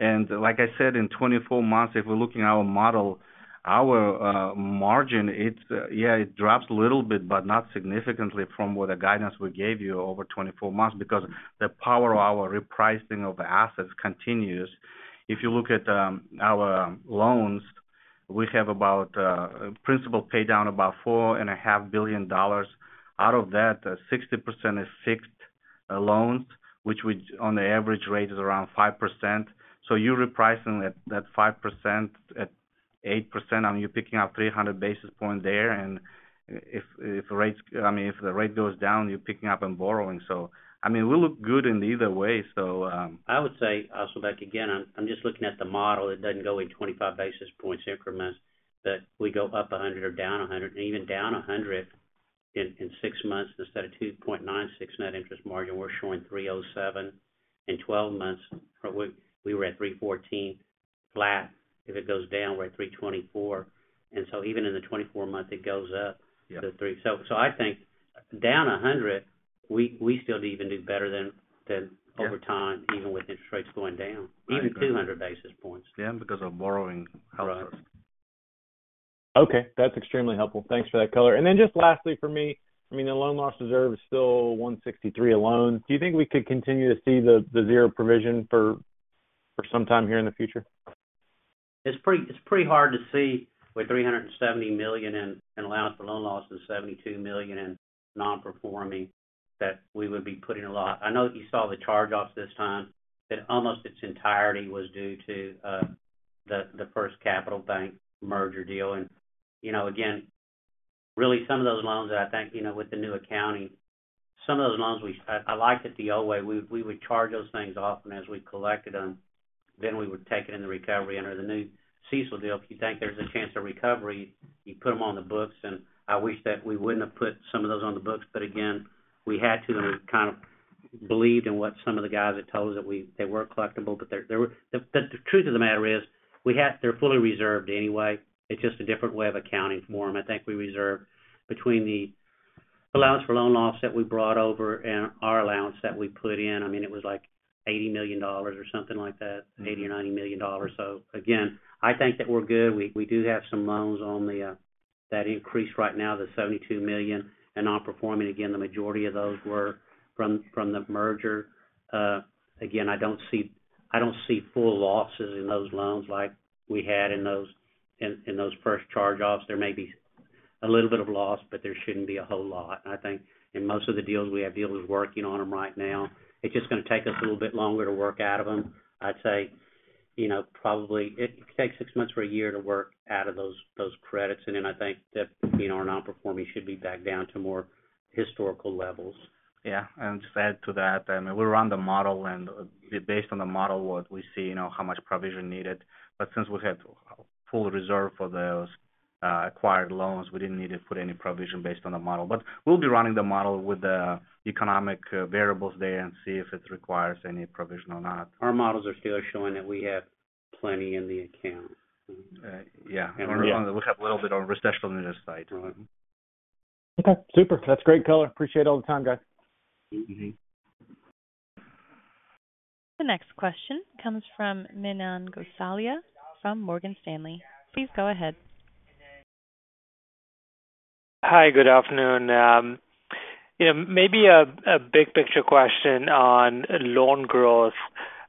[SPEAKER 4] And like I said, in 24 months, if we're looking at our model, our margin, it's yeah, it drops a little bit, but not significantly from what the guidance we gave you over 24 months, because the power of our repricing of assets continues. If you look at our loans, we have about principal paydown, about $4.5 billion. Out of that, 60% is fixed loans, which would, on the average rate is around 5%. So you're repricing that, that 5% at 8%, I mean, you're picking up 300 basis points there. And if, if rates, I mean, if the rate goes down, you're picking up and borrowing. So, I mean, we look good in either way, so,
[SPEAKER 3] I would say, also, back again, I'm just looking at the model. It doesn't go in 25 basis points increments, but we go up 100 or down 100, and even down 100 in six months, instead of 2.96% net interest margin, we're showing 3.07%. In 12 months, we were at 3.14% flat. If it goes down, we're at 3.24%. And so even in the 24 months, it goes up-
[SPEAKER 4] Yeah...
[SPEAKER 3] to three. So I think down 100, we still even do better than-
[SPEAKER 4] Yeah
[SPEAKER 3] over time, even with interest rates going down.
[SPEAKER 4] Exactly.
[SPEAKER 3] Even 200 basis points.
[SPEAKER 4] Yeah, because of borrowing.
[SPEAKER 3] Right.
[SPEAKER 11] Okay, that's extremely helpful. Thanks for that color. And then just lastly, for me, I mean, the loan loss reserve is still 163 alone. Do you think we could continue to see the, the zero provision for, for some time here in the future?
[SPEAKER 3] It's pretty, it's pretty hard to see with $370 million in allowance for loan losses, $72 million in non-performing.... that we would be putting a lot. I know that you saw the charge-offs this time, that almost its entirety was due to the FirstCapital Bank merger deal. And, you know, again, really some of those loans that I think, you know, with the new accounting, some of those loans, we—I, I liked it the old way. We, we would charge those things off, and as we collected them, then we would take it in the recovery under the new CECL deal. If you think there's a chance of recovery, you put them on the books, and I wish that we wouldn't have put some of those on the books. But again, we had to, and we kind of believed in what some of the guys had told us, that they were collectible, but they're, they were. But the truth of the matter is, they're fully reserved anyway. It's just a different way of accounting for them. I think we reserved between the allowance for loan loss that we brought over and our allowance that we put in. I mean, it was like $80 million or something like that, $80 million or $90 million. So again, I think that we're good. We do have some loans on the that increase right now, the $72 million in nonperforming. Again, the majority of those were from the merger. Again, I don't see full losses in those loans like we had in those first charge-offs. There may be a little bit of loss, but there shouldn't be a whole lot. I think in most of the deals, we have dealers working on them right now. It's just going to take us a little bit longer to work out of them. I'd say, you know, probably it takes six months or a year to work out of those, those credits, and then I think that, you know, our nonperforming should be back down to more historical levels.
[SPEAKER 4] Yeah, and just to add to that, I mean, we run the model, and based on the model, what we see, you know, how much provision needed. But since we had full reserve for those acquired loans, we didn't need to put any provision based on the model. But we'll be running the model with the economic variables there and see if it requires any provision or not.
[SPEAKER 3] Our models are still showing that we have plenty in the account.
[SPEAKER 4] Right. Yeah.
[SPEAKER 3] Yeah.
[SPEAKER 4] We have a little bit of a recession on this side.
[SPEAKER 11] Okay, super. That's great color. Appreciate all the time, guys.
[SPEAKER 3] Mm-hmm.
[SPEAKER 1] The next question comes from Manan Gosalia from Morgan Stanley. Please go ahead.
[SPEAKER 12] Hi, good afternoon. You know, maybe a big picture question on loan growth.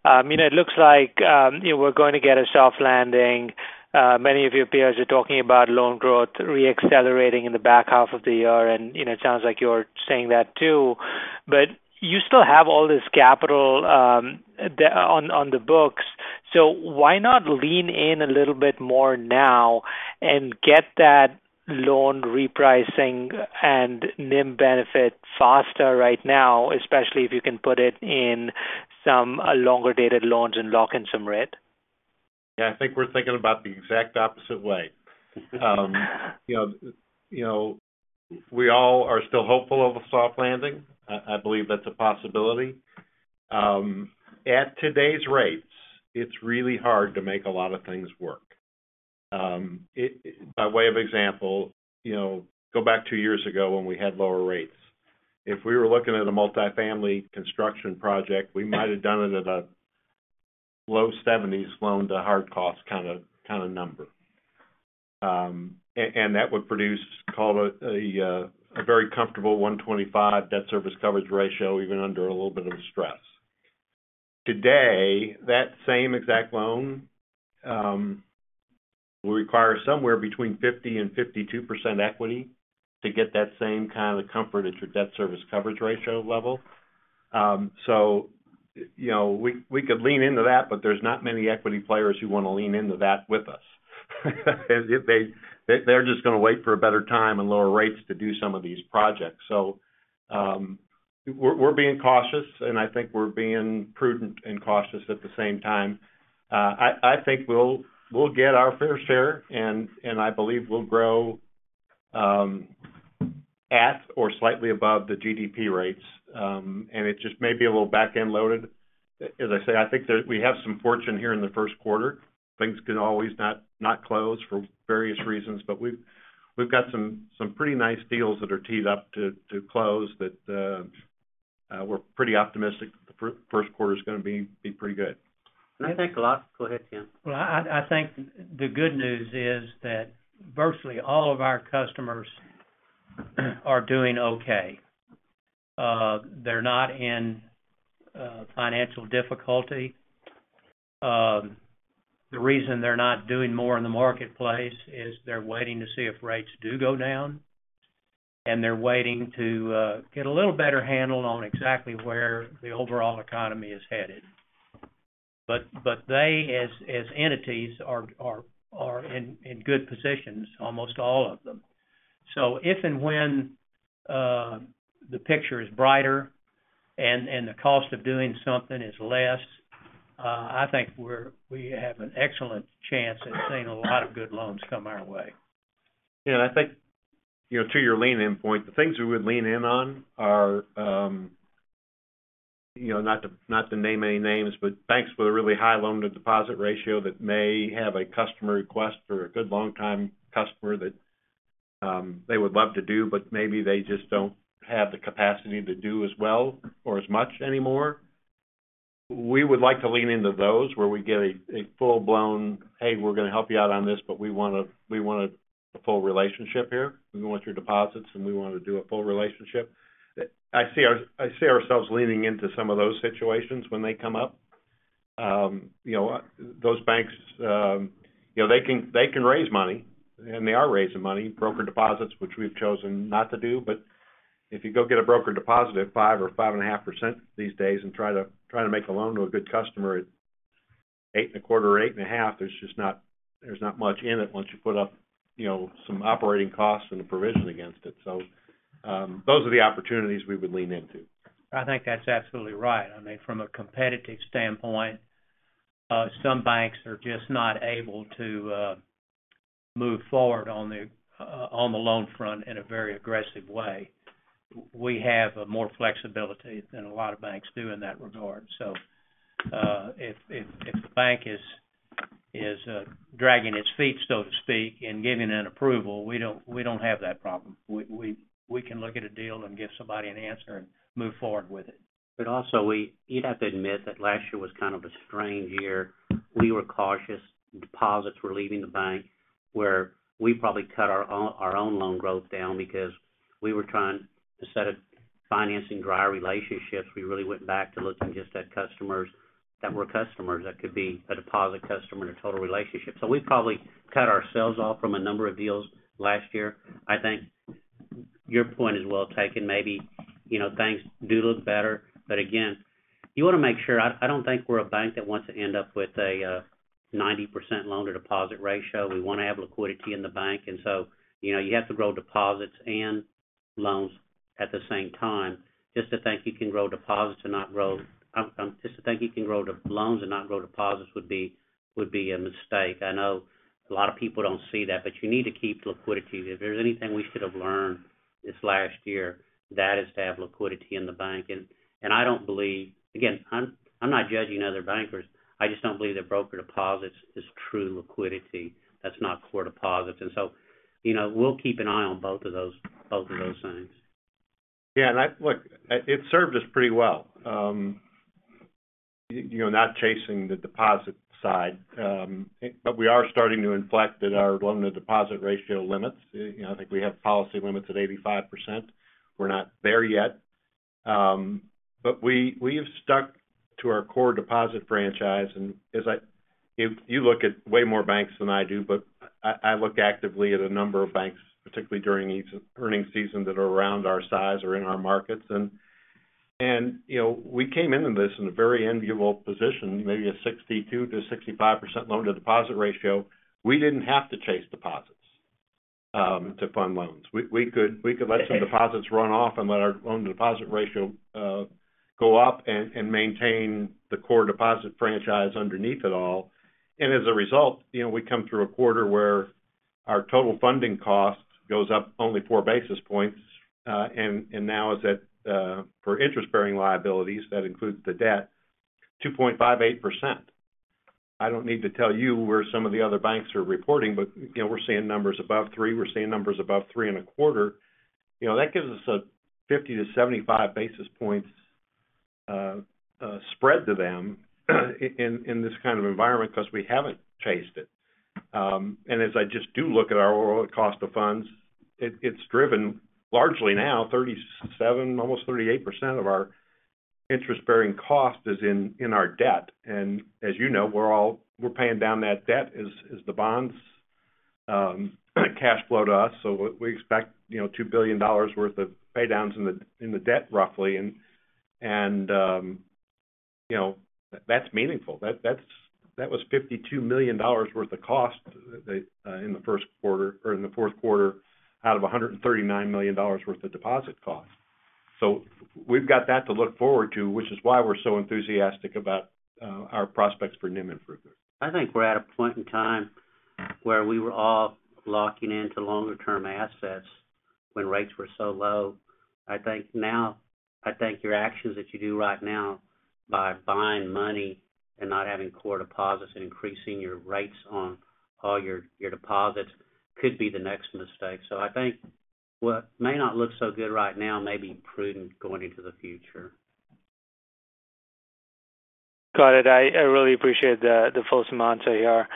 [SPEAKER 12] You know, it looks like, you know, we're going to get a soft landing. Many of your peers are talking about loan growth reaccelerating in the back half of the year, and, you know, it sounds like you're saying that, too. But you still have all this capital on the books. So why not lean in a little bit more now and get that loan repricing and NIM benefit faster right now, especially if you can put it in some longer-dated loans and lock in some rate?
[SPEAKER 9] Yeah, I think we're thinking about the exact opposite way. You know, we all are still hopeful of a soft landing. I believe that's a possibility. At today's rates, it's really hard to make a lot of things work. By way of example, you know, go back two years ago when we had lower rates. If we were looking at a multifamily construction project, we might have done it at a low 70s loan-to-hard cost kind of number. And that would produce, call it a very comfortable 1.25 debt service coverage ratio, even under a little bit of stress. Today, that same exact loan will require somewhere between 50% and 52% equity to get that same kind of comfort at your debt service coverage ratio level. So, you know, we could lean into that, but there's not many equity players who want to lean into that with us. They're just going to wait for a better time and lower rates to do some of these projects. So, we're being cautious, and I think we're being prudent and cautious at the same time. I think we'll get our fair share, and I believe we'll grow at or slightly above the GDP rates. And it just may be a little back-end loaded. As I say, I think that we have some fortune here in the first quarter. Things can always not close for various reasons, but we've got some pretty nice deals that are teed up to close that we're pretty optimistic the first quarter is going to be pretty good.
[SPEAKER 4] I think the last... Go ahead, Tim.
[SPEAKER 5] Well, I think the good news is that virtually all of our customers are doing okay. They're not in financial difficulty. The reason they're not doing more in the marketplace is they're waiting to see if rates do go down, and they're waiting to get a little better handle on exactly where the overall economy is headed. But they, as entities, are in good positions, almost all of them. So if and when the picture is brighter and the cost of doing something is less, I think we have an excellent chance at seeing a lot of good loans come our way.
[SPEAKER 9] Yeah, I think, you know, to your lean in point, the things we would lean in on are, you know, not to, not to name any names, but banks with a really high loan-to-deposit ratio that may have a customer request for a good long-time customer that they would love to do, but maybe they just don't have the capacity to do as well or as much anymore. We would like to lean into those, where we get a full-blown, "Hey, we're going to help you out on this, but we want a full relationship here. We want your deposits, and we want to do a full relationship." I see ourselves leaning into some of those situations when they come up. You know, those banks, you know, they can, they can raise money, and they are raising money, broker deposits, which we've chosen not to do. But if you go get a broker deposit at 5% or 5.5% these days and try to, try to make a loan to a good customer at 8.25% or 8.5%, there's just not, there's not much in it once you put up, you know, some operating costs and a provision against it. So, those are the opportunities we would lean into.
[SPEAKER 3] I think that's absolutely right. I mean, from a competitive standpoint, some banks are just not able to move forward on the loan front in a very aggressive way. We have more flexibility than a lot of banks do in that regard. So, if the bank is dragging its feet, so to speak, in giving an approval, we don't have that problem. We can look at a deal and give somebody an answer and move forward with it. But also, we, you'd have to admit that last year was kind of a strange year. We were cautious, deposits were leaving the bank, where we probably cut our own, our own loan growth down because we were trying to, instead of financing dry relationships, we really went back to looking just at customers that were customers, that could be a deposit customer in a total relationship. So we probably cut ourselves off from a number of deals last year. I think your point is well taken. Maybe, you know, things do look better, but again, you want to make sure... I, I don't think we're a bank that wants to end up with a 90% loan-to-deposit ratio. We want to have liquidity in the bank, and so, you know, you have to grow deposits and loans at the same time. Just to think you can grow deposits and not grow, just to think you can grow the loans and not grow deposits would be, would be a mistake. I know a lot of people don't see that, but you need to keep liquidity. If there's anything we should have learned this last year, that is to have liquidity in the bank. And I don't believe, again, I'm not judging other bankers. I just don't believe that broker deposits is true liquidity. That's not core deposits, and so, you know, we'll keep an eye on both of those, both of those things.
[SPEAKER 9] Yeah, and I look, it served us pretty well, you know, not chasing the deposit side, but we are starting to inflect at our loan-to-deposit ratio limits. You know, I think we have policy limits at 85%. We're not there yet. But we have stuck to our core deposit franchise, and as I—you look at way more banks than I do, but I look actively at a number of banks, particularly during each earnings season, that are around our size or in our markets. And you know, we came into this in a very enviable position, maybe a 62%-65% loan-to-deposit ratio. We didn't have to chase deposits to fund loans. We could let some deposits run off and let our loan-to-deposit ratio go up and maintain the core deposit franchise underneath it all. And as a result, you know, we come through a quarter where our total funding cost goes up only 4 basis points, and now is at, for interest-bearing liabilities, that includes the debt, 2.58%. I don't need to tell you where some of the other banks are reporting, but, you know, we're seeing numbers above 3%, we're seeing numbers above 3.25%. You know, that gives us a 50 basis points-75 basis points spread to them, in this kind of environment because we haven't chased it. And as I just do look at our overall cost of funds, it's driven largely now, 37%, almost 38% of our interest-bearing cost is in our debt. And as you know, we're paying down that debt as the bonds cash flow to us. So we expect, you know, $2 billion worth of pay downs in the debt, roughly, and, you know, that's meaningful. That was $52 million worth of cost in the first quarter or in the fourth quarter, out of $139 million worth of deposit cost. So we've got that to look forward to, which is why we're so enthusiastic about our prospects for NIM improvement.
[SPEAKER 3] I think we're at a point in time where we were all locking into longer-term assets when rates were so low. I think now, I think your actions that you do right now by buying money and not having core deposits and increasing your rates on all your, your deposits could be the next mistake. So I think what may not look so good right now may be prudent going into the future.
[SPEAKER 12] Got it. I really appreciate the full amount here.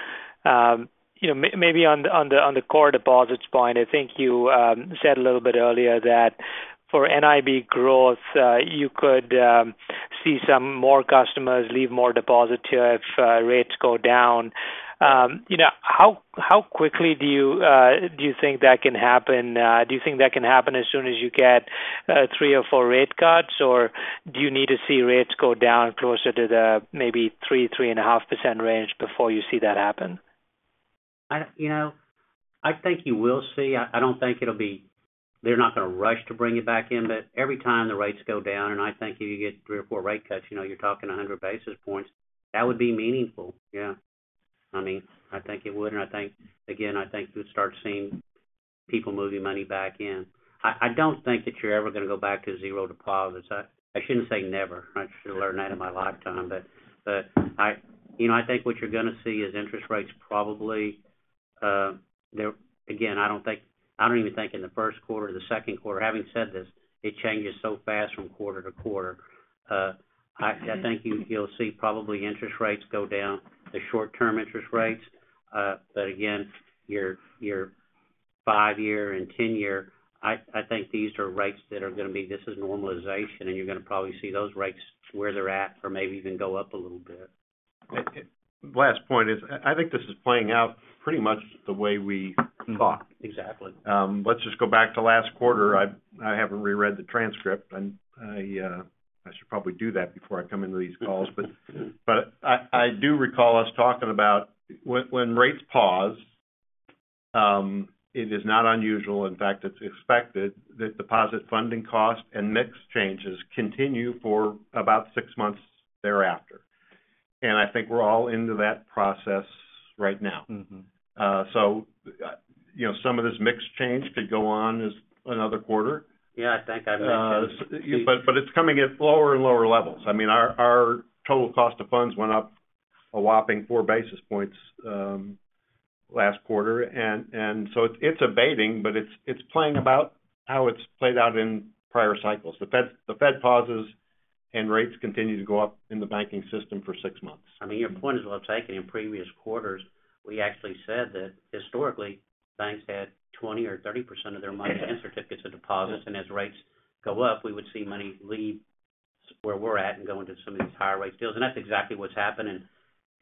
[SPEAKER 12] You know, maybe on the core deposits point, I think you said a little bit earlier that for NIB growth, you could see some more customers leave more deposits if rates go down. You know, how quickly do you think that can happen? Do you think that can happen as soon as you get three or four rate cuts? Or do you need to see rates go down closer to the maybe 3%-3.5% range before you see that happen?
[SPEAKER 3] You know, I think you will see. I don't think it'll be—they're not going to rush to bring it back in, but every time the rates go down, and I think if you get three or four rate cuts, you know, you're talking 100 basis points, that would be meaningful. Yeah. I mean, I think it would, and I think, again, I think you would start seeing people moving money back in. I don't think that you're ever gonna go back to zero deposits. I shouldn't say never. I should learn that in my lifetime, but, you know, I think what you're gonna see is interest rates probably there. Again, I don't think—I don't even think in the first quarter or the second quarter, having said this, it changes so fast from quarter to quarter. I think you'll see probably interest rates go down, the short-term interest rates. But again, your five-year and 10-year, I think these are rates that are going to be—this is normalization, and you're going to probably see those rates where they're at or maybe even go up a little bit.
[SPEAKER 9] Last point is, I think this is playing out pretty much the way we thought.
[SPEAKER 3] Exactly.
[SPEAKER 9] Let's just go back to last quarter. I haven't reread the transcript, and I should probably do that before I come into these calls. But I do recall us talking about when rates pause, it is not unusual. In fact, it's expected that deposit funding costs and mix changes continue for about six months thereafter. And I think we're all into that process right now.
[SPEAKER 3] Mm-hmm.
[SPEAKER 9] So, you know, some of this mix change could go on as another quarter.
[SPEAKER 3] Yeah, I think I've-
[SPEAKER 9] But it's coming at lower and lower levels. I mean, our total cost of funds went up a whopping 4 basis points last quarter. And so it's abating, but it's playing about how it's played out in prior cycles. The Fed pauses, and rates continue to go up in the banking system for 6 months.
[SPEAKER 3] I mean, your point is well taken. In previous quarters, we actually said that historically, banks had 20% or 30% of their money in certificates of deposit, and as rates go up, we would see money leave where we're at and go into some of these higher rate deals. That's exactly what's happened,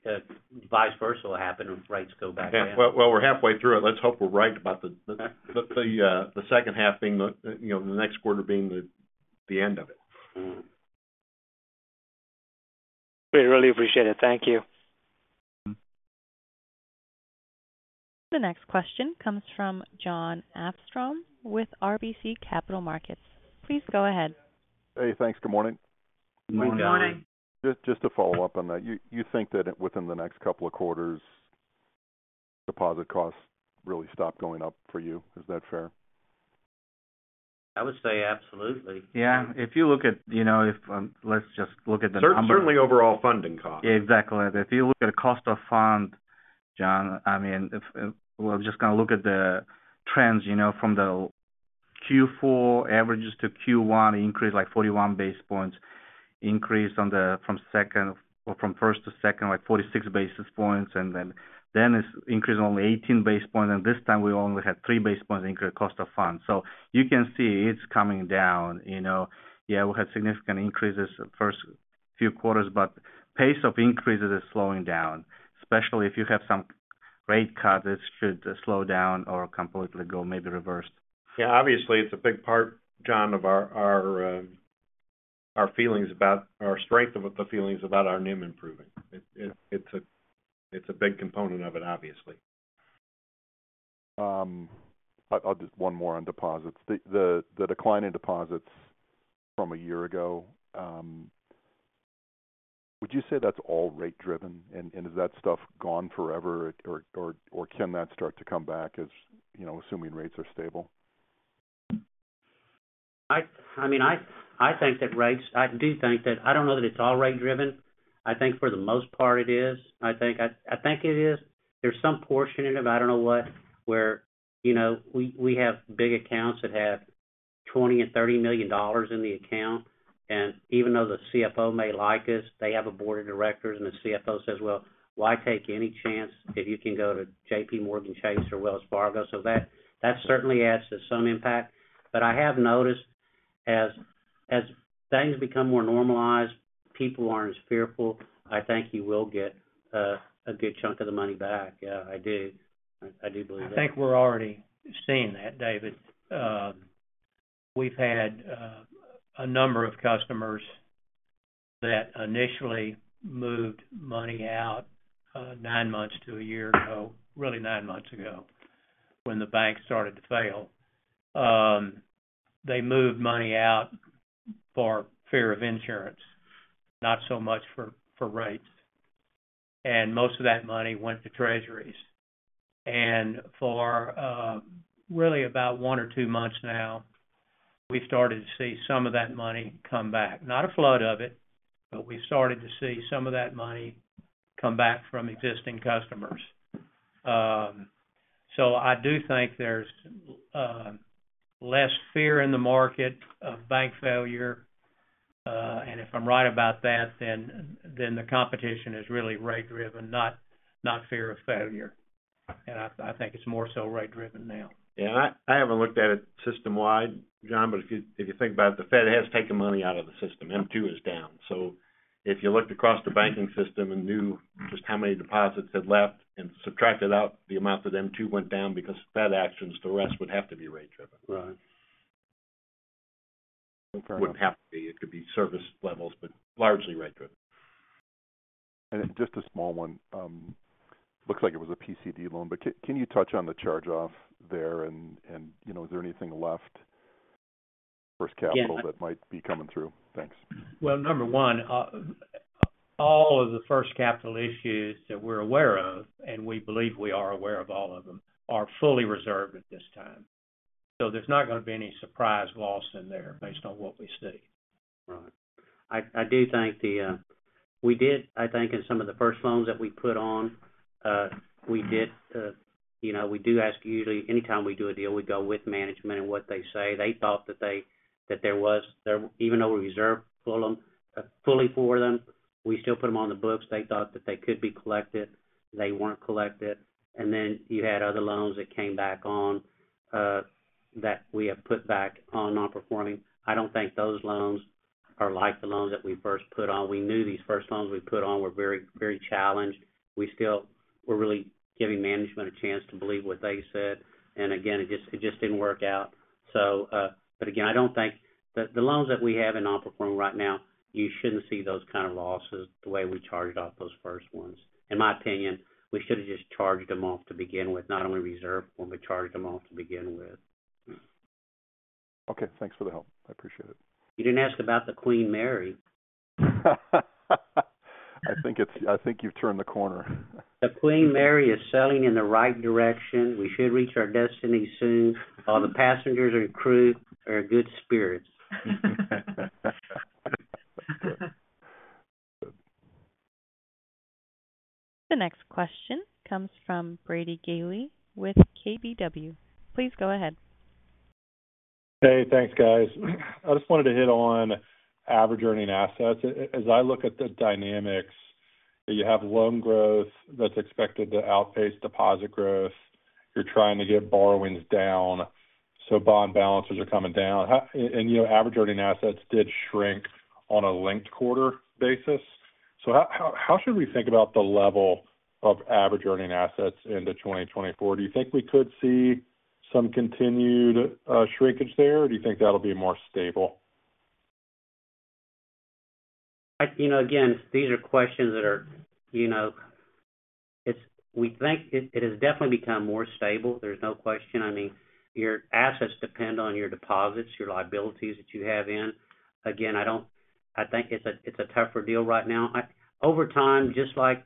[SPEAKER 3] and vice versa will happen if rates go back down.
[SPEAKER 9] Well, well, we're halfway through it. Let's hope we're right about the second half being, you know, the next quarter being the end of it.
[SPEAKER 3] Mm-hmm.
[SPEAKER 12] We really appreciate it. Thank you.
[SPEAKER 1] The next question comes from Jon Arfstrom with RBC Capital Markets. Please go ahead.
[SPEAKER 13] Hey, thanks. Good morning.
[SPEAKER 9] Good morning.
[SPEAKER 3] Good morning.
[SPEAKER 13] Just to follow up on that, you think that within the next couple of quarters, deposit costs really stop going up for you. Is that fair?
[SPEAKER 3] I would say absolutely.
[SPEAKER 4] Yeah, if you look at, you know, let's just look at the number-
[SPEAKER 13] Certainly overall funding costs.
[SPEAKER 4] Yeah, exactly. If you look at the cost of funds, Jon, I mean, if we're just gonna look at the trends, you know, from the Q4 averages to Q1 increase, like 41 basis points, increase on the, from second or from first to second, like 46 basis points, and then, then it's increased only 18 basis points, and this time we only had 3 basis points increase cost of funds. So you can see it's coming down, you know. Yeah, we had significant increases the first few quarters, but pace of increases is slowing down, especially if you have some rate cuts, it should slow down or completely go, maybe reverse.
[SPEAKER 9] Yeah, obviously, it's a big part, Jon, of our feelings about or strength of the feelings about our NIM improving. It's a big component of it, obviously.
[SPEAKER 13] I'll just one more on deposits. The decline in deposits from a year ago, would you say that's all rate driven? And is that stuff gone forever, or can that start to come back as, you know, assuming rates are stable?
[SPEAKER 3] I mean, I think that rates—I do think that... I don't know that it's all rate driven. I think for the most part, it is. I think it is. There's some portion in it, I don't know what, where, you know, we have big accounts that have $20 million and $30 million in the account, and even though the CFO may like us, they have a board of directors, and the CFO says, "Well, why take any chance if you can go to JPMorgan Chase or Wells Fargo?" So that certainly adds to some impact. But I have noticed as things become more normalized, people aren't as fearful. I think you will get a good chunk of the money back. Yeah, I do. I do believe that.
[SPEAKER 9] I think we're already seeing that, David. We've had a number of customers that initially moved money out nine months to a year ago, really nine months ago, when the bank started to fail. They moved money out for fear of insurance, not so much for rates. And most of that money went to Treasuries. And for really about one or two months now, we started to see some of that money come back. Not a flood of it, but we started to see some of that money come back from existing customers. So I do think there's less fear in the market of bank failure, and if I'm right about that, then the competition is really rate driven, not fear of failure. And I think it's more so rate driven now. Yeah, I haven't looked at it systemwide, Jon, but if you think about it, the Fed has taken money out of the system. M2 is down. So if you looked across the banking system and knew just how many deposits had left and subtracted out the amount that M2 went down because of Fed actions, the rest would have to be rate driven.
[SPEAKER 13] Right.
[SPEAKER 9] It wouldn't have to be. It could be service levels, but largely rate driven.
[SPEAKER 13] And just a small one. Looks like it was a PCD loan, but can you touch on the charge-off there? And, you know, is there anything left, FirstCapital, that might be coming through? Thanks.
[SPEAKER 9] Well, number one, all of the FirstCapital issues that we're aware of, and we believe we are aware of all of them, are fully reserved at this time. So there's not going to be any surprise loss in there based on what we see.
[SPEAKER 3] Right. I do think the... We did, I think in some of the first loans that we put on, we did, you know, we do ask usually anytime we do a deal, we go with management and what they say. They thought that they—that there was, there—even though we reserved for them, fully for them, we still put them on the books. They thought that they could be collected. They weren't collected. And then you had other loans that came back on, that we have put back on non-performing. I don't think those loans... the loans that we first put on, we knew these first loans we put on were very, very challenged. We still—we're really giving management a chance to believe what they said. And again, it just, it just didn't work out. But again, I don't think that the loans that we have in operating form right now, you shouldn't see those kind of losses the way we charged off those first ones. In my opinion, we should have just charged them off to begin with, not only reserve, but we charged them off to begin with.
[SPEAKER 13] Okay, thanks for the help. I appreciate it.
[SPEAKER 3] You didn't ask about the Queen Mary.
[SPEAKER 13] I think you've turned the corner.
[SPEAKER 3] The Queen Mary is sailing in the right direction. We should reach our destiny soon. All the passengers and crew are in good spirits.
[SPEAKER 1] The next question comes from Brady Gailey with KBW. Please go ahead.
[SPEAKER 14] Hey, thanks, guys. I just wanted to hit on average earning assets. As I look at the dynamics, you have loan growth that's expected to outpace deposit growth. You're trying to get borrowings down, so bond balances are coming down. And you know, average earning assets did shrink on a linked quarter basis. So how should we think about the level of average earning assets into 2024? Do you think we could see some continued shrinkage there, or do you think that'll be more stable?
[SPEAKER 3] You know, again, these are questions that are, you know, it's we think it has definitely become more stable. There's no question. I mean, your assets depend on your deposits, your liabilities that you have in. Again, I don't I think it's a, it's a tougher deal right now. Over time, just like,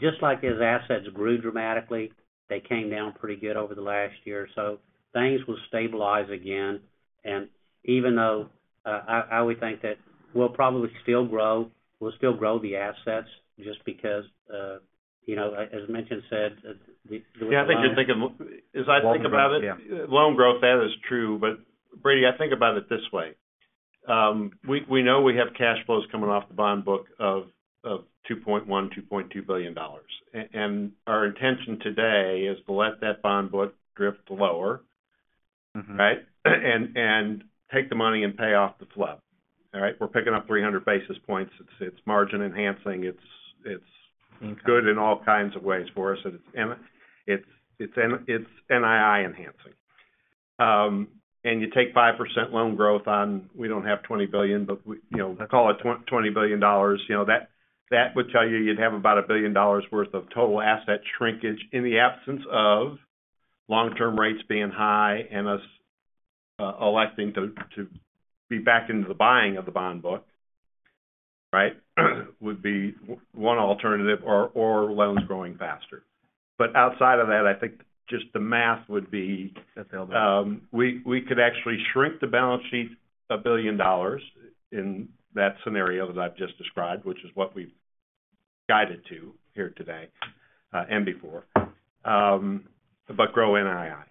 [SPEAKER 3] just like as assets grew dramatically, they came down pretty good over the last year or so. Things will stabilize again, and even though, I would think that we'll probably still grow, we'll still grow the assets just because, you know, as mentioned, said, we-
[SPEAKER 9] Yeah, I think, as I think about it-
[SPEAKER 3] Yeah.
[SPEAKER 9] Loan growth, that is true. But Brady, I think about it this way: we know we have cash flows coming off the bond book of $2.1 billion-$2.2 billion. And our intention today is to let that bond book drift lower-
[SPEAKER 14] Mm-hmm.
[SPEAKER 9] Right? And, and take the money and pay off the FHLB. All right? We're picking up 300 basis points. It's, it's margin-enhancing, it's, it's-
[SPEAKER 14] Mm.
[SPEAKER 9] -good in all kinds of ways for us, and it's NII enhancing. And you take 5% loan growth on... We don't have $20 billion, but we, you know, call it $20 billion, you know, that would tell you you'd have about $1 billion worth of total asset shrinkage in the absence of long-term rates being high and us electing to be back into the buying of the bond book, right? Would be one alternative or loans growing faster. But outside of that, I think just the math would be-
[SPEAKER 3] That's the other one.
[SPEAKER 9] We could actually shrink the balance sheet $1 billion in that scenario that I've just described, which is what we've guided to here today, and before. But grow NII.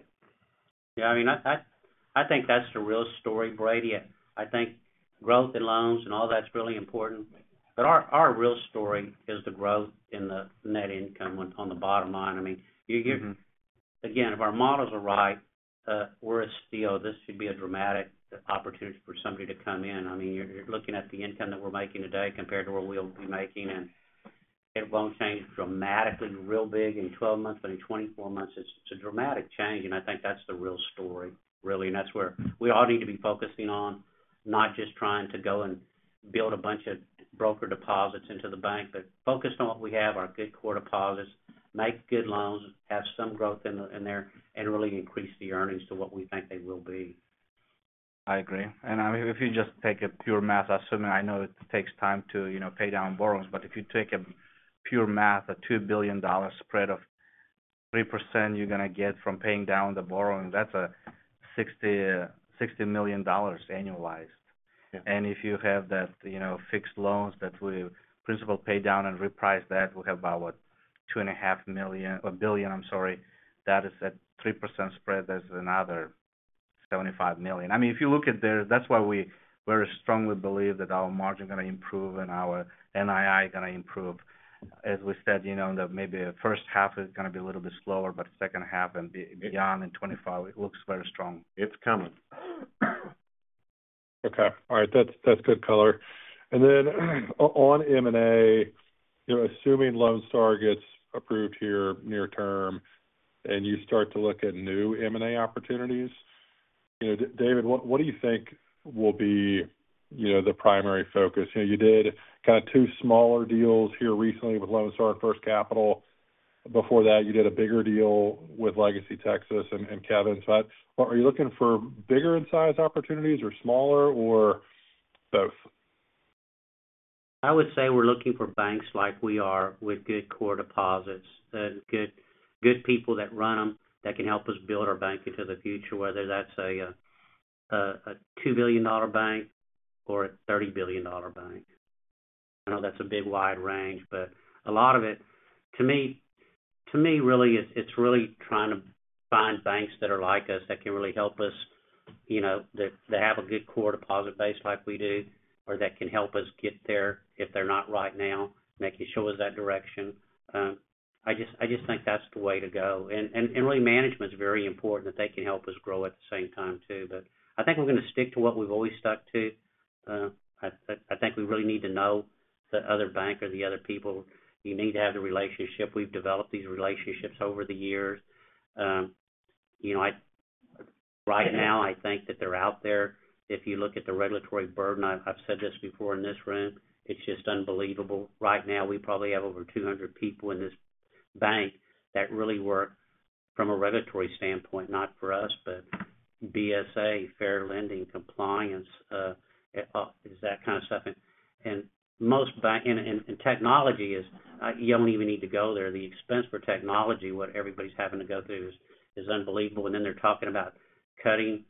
[SPEAKER 3] Yeah, I mean, I think that's the real story, Brady. I think growth in loans and all that's really important, but our real story is the growth in the net income on the bottom line. I mean, you give-
[SPEAKER 14] Mm-hmm.
[SPEAKER 3] Again, if our models are right, we're a steal. This should be a dramatic opportunity for somebody to come in. I mean, you're looking at the income that we're making today compared to what we'll be making, and it won't change dramatically, real big in 12 months, but in 24 months, it's a dramatic change, and I think that's the real story, really. And that's where we all need to be focusing on, not just trying to go and build a bunch of broker deposits into the bank, but focused on what we have, our good core deposits, make good loans, have some growth in there, and really increase the earnings to what we think they will be.
[SPEAKER 4] I agree. I mean, if you just take a pure math, assuming I know it takes time to, you know, pay down borrows, but if you take a pure math, a $2 billion spread of 3%, you're gonna get from paying down the borrowing, that's a $60 million annualized.
[SPEAKER 3] Yeah.
[SPEAKER 4] And if you have that, you know, fixed loans that will principal pay down and reprice that, we'll have about, what? $2.5 million, $1 billion, I'm sorry. That is a 3% spread. That's another $75 million. I mean, if you look at there, that's why we very strongly believe that our margin gonna improve and our NII gonna improve. As we said, you know, that maybe the first half is gonna be a little bit slower, but second half and beyond in 2025, it looks very strong.
[SPEAKER 9] It's coming.
[SPEAKER 14] Okay. All right, that's good color. And then, on M&A, you're assuming Lone Star gets approved here near term, and you start to look at new M&A opportunities. You know, David, what do you think will be, you know, the primary focus? You know, you did kind of two smaller deals here recently with Lone Star and First Capital. Before that, you did a bigger deal with LegacyTexas and Kevin. So are you looking for bigger in size opportunities or smaller, or both?
[SPEAKER 3] I would say we're looking for banks like we are with good core deposits, the good, good people that run them, that can help us build our bank into the future, whether that's a $2 billion bank or a $30 billion bank. I know that's a big, wide range, but a lot of it, to me, to me, really, it's, it's really trying to find banks that are like us, that can really help us, you know, that, that have a good core deposit base like we do... or that can help us get there if they're not right now, making sure we're that direction. I just, I just think that's the way to go. And, and, and really, management's very important, that they can help us grow at the same time, too. But I think we're going to stick to what we've always stuck to. I think we really need to know the other bank or the other people. You need to have the relationship. We've developed these relationships over the years. You know, right now, I think that they're out there. If you look at the regulatory burden, I've said this before in this room, it's just unbelievable. Right now, we probably have over 200 people in this bank that really work from a regulatory standpoint, not for us, but BSA, fair lending, compliance, it's that kind of stuff. And technology is, you don't even need to go there. The expense for technology, what everybody's having to go through is unbelievable. And then they're talking about cutting,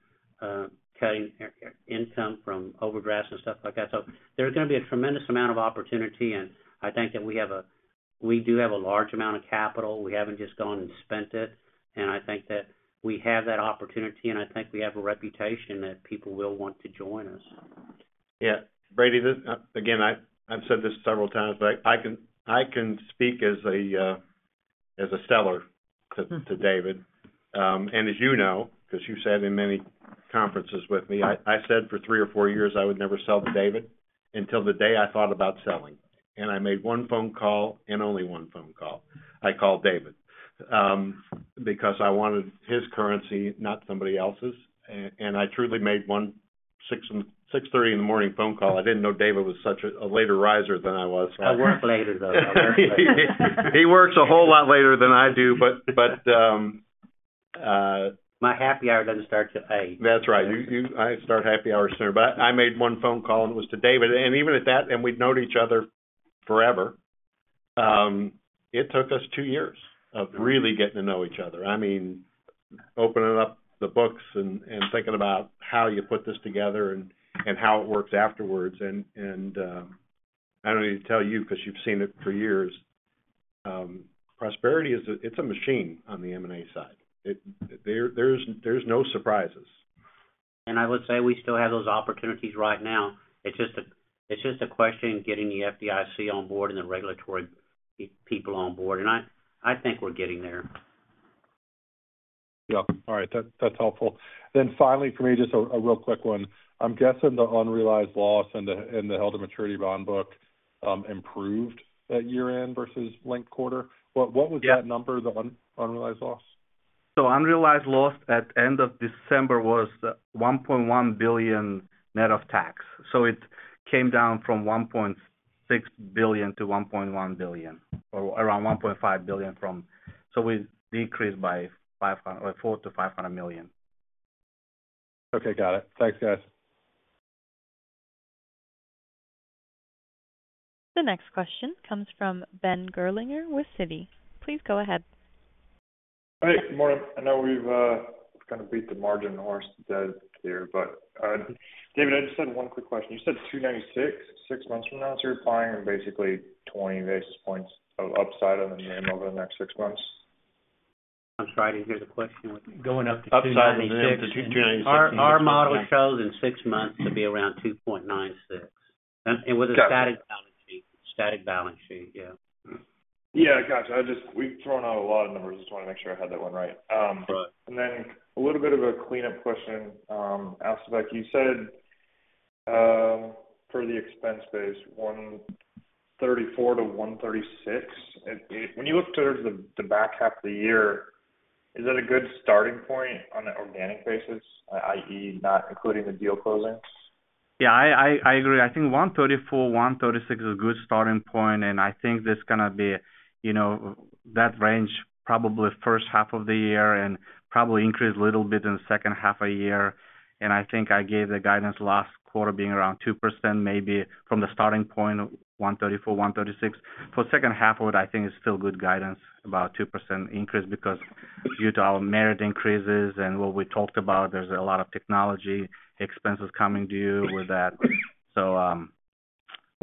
[SPEAKER 3] cutting income from overdrafts and stuff like that. So there's going to be a tremendous amount of opportunity, and I think that we have a—we do have a large amount of capital. We haven't just gone and spent it, and I think that we have that opportunity, and I think we have a reputation that people will want to join us.
[SPEAKER 9] Yeah. Brady, this, again, I've said this several times, but I can speak as a seller to David. And as you know, because you sat in many conferences with me, I said for three or four years, I would never sell to David, until the day I thought about selling. And I made one phone call and only one phone call. I called David, because I wanted his currency, not somebody else's. And I truly made a 6:30 A.M. phone call. I didn't know David was such a late riser than I was.
[SPEAKER 3] I work later, though. I work later.
[SPEAKER 9] He works a whole lot later than I do, but
[SPEAKER 3] My happy hour doesn't start till eight.
[SPEAKER 9] That's right. I start happy hour sooner. But I made one phone call, and it was to David. And even at that, and we'd known each other forever, it took us two years of really getting to know each other. I mean, opening up the books and thinking about how you put this together and how it works afterwards. I don't need to tell you, because you've seen it for years. Prosperity is a machine on the M&A side. There's no surprises.
[SPEAKER 3] I would say we still have those opportunities right now. It's just a question of getting the FDIC on board and the regulatory people on board, and I think we're getting there.
[SPEAKER 14] Yeah. All right. That's helpful. Then finally, for me, just a real quick one. I'm guessing the unrealized loss in the held-to-maturity bond book improved at year-end versus linked quarter. What would be that number, the unrealized loss?
[SPEAKER 4] So unrealized loss at end of December was $1.1 billion, net of tax. So it came down from $1.6 billion to $1.1 billion, or around $1.5 billion from... So we decreased by $400 million-$500 million.
[SPEAKER 14] Okay, got it. Thanks, guys.
[SPEAKER 1] The next question comes from Ben Gerlinger with Citi. Please go ahead.
[SPEAKER 15] Hey, good morning. I know we've kind of beat the margin horse to death here, but David, I just had one quick question. You said 2.96, six months from now, so you're implying basically 20 basis points of upside on the name over the next six months?
[SPEAKER 3] I'm sorry, I didn't hear the question.
[SPEAKER 9] Going up to 2.96%-
[SPEAKER 4] Upside on the NIM to 2.96%.
[SPEAKER 3] Our model shows in six months to be around 2.96%.
[SPEAKER 15] Got it.
[SPEAKER 3] With a static balance sheet, static balance sheet, yeah.
[SPEAKER 15] Yeah, gotcha. I just - we've thrown out a lot of numbers. Just wanted to make sure I had that one right.
[SPEAKER 4] Right.
[SPEAKER 15] Then a little bit of a cleanup question. Asylbek, you said, for the expense base, $134 million-$136 million. And, when you look towards the back half of the year, is that a good starting point on an organic basis, i.e., not including the deal closings?
[SPEAKER 4] Yeah, I agree. I think $134 million-$136 million is a good starting point, and I think that's going to be, you know, that range, probably first half of the year and probably increase a little bit in the second half of the year. I think I gave the guidance last quarter being around 2%, maybe from the starting point of $134 million-$136 million. For the second half of it, I think it's still good guidance about 2% increase, because due to our merit increases and what we talked about, there's a lot of technology expenses coming due with that. So,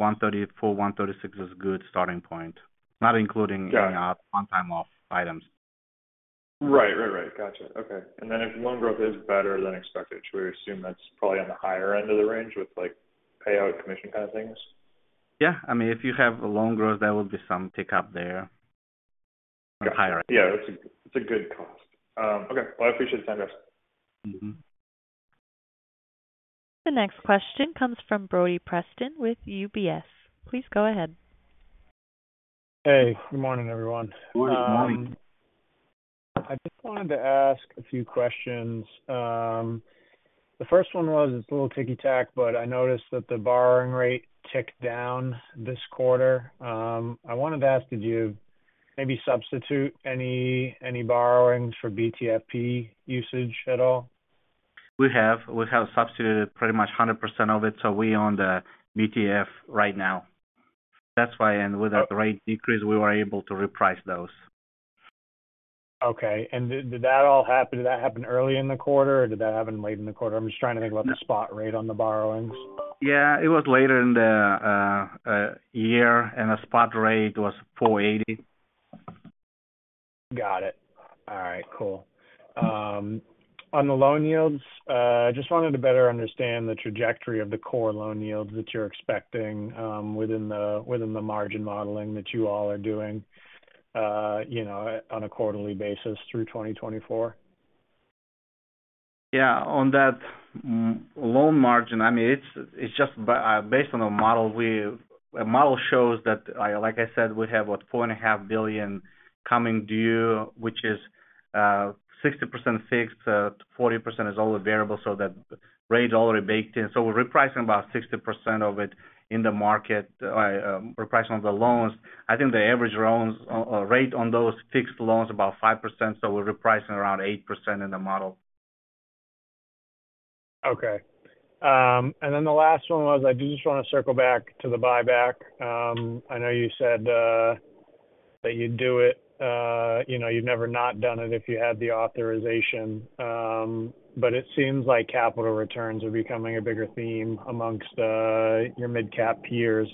[SPEAKER 4] $134 million-$136 million is a good starting point, not including-
[SPEAKER 15] Got it.
[SPEAKER 4] One-time off items.
[SPEAKER 15] Right. Right, right. Gotcha. Okay. And then if loan growth is better than expected, should we assume that's probably on the higher end of the range with, like, payout commission kind of things?
[SPEAKER 4] Yeah. I mean, if you have a loan growth, there will be some pickup there on the higher end.
[SPEAKER 15] Yeah, it's a good cost. Okay. Well, I appreciate the time, guys.
[SPEAKER 4] Mm-hmm.
[SPEAKER 1] The next question comes from Brody Preston with UBS. Please go ahead.
[SPEAKER 16] Hey, good morning, everyone.
[SPEAKER 4] Good morning.
[SPEAKER 3] Morning.
[SPEAKER 16] I just wanted to ask a few questions. The first one was, it's a little ticky tack, but I noticed that the borrowing rate ticked down this quarter. I wanted to ask, did you maybe substitute any, any borrowings for BTFP usage at all?
[SPEAKER 4] We have substituted pretty much 100% of it, so we own the BTFP right now. That's why, and with that rate decrease, we were able to reprice those.
[SPEAKER 16] Okay. And did that all happen early in the quarter, or did that happen late in the quarter? I'm just trying to think about the spot rate on the borrowings.
[SPEAKER 4] Yeah, it was later in the year, and the spot rate was 4.80%....
[SPEAKER 16] Got it. All right, cool. On the loan yields, I just wanted to better understand the trajectory of the core loan yields that you're expecting, within the margin modeling that you all are doing, you know, on a quarterly basis through 2024.
[SPEAKER 4] Yeah. On that loan margin, I mean, it's, it's just, but, based on the model, our model shows that, like I said, we have, what? $4.5 billion coming due, which is, 60% fixed, 40% is all variable, so that rate is already baked in. So we're repricing about 60% of it in the market, repricing the loans. I think the average loans, rate on those fixed loans about 5%, so we're repricing around 8% in the model.
[SPEAKER 16] Okay. And then the last one was, I just want to circle back to the buyback. I know you said that you'd do it, you know, you've never not done it if you had the authorization, but it seems like capital returns are becoming a bigger theme amongst your midcap peers.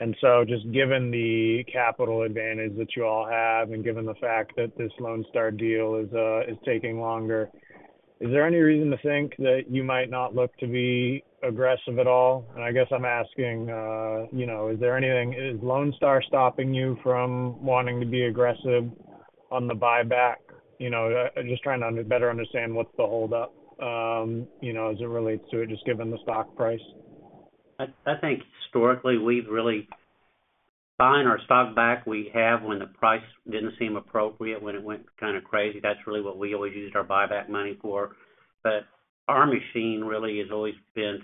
[SPEAKER 16] And so just given the capital advantage that you all have and given the fact that this Lone Star deal is taking longer, is there any reason to think that you might not look to be aggressive at all? And I guess I'm asking, you know, is there anything? Is Lone Star stopping you from wanting to be aggressive on the buyback? You know, I'm just trying to better understand what's the hold up, you know, as it relates to it, just given the stock price.
[SPEAKER 3] I think historically, we've really been buying our stock back. We have when the price didn't seem appropriate, when it went kind of crazy. That's really what we always used our buyback money for. But our machine really has always been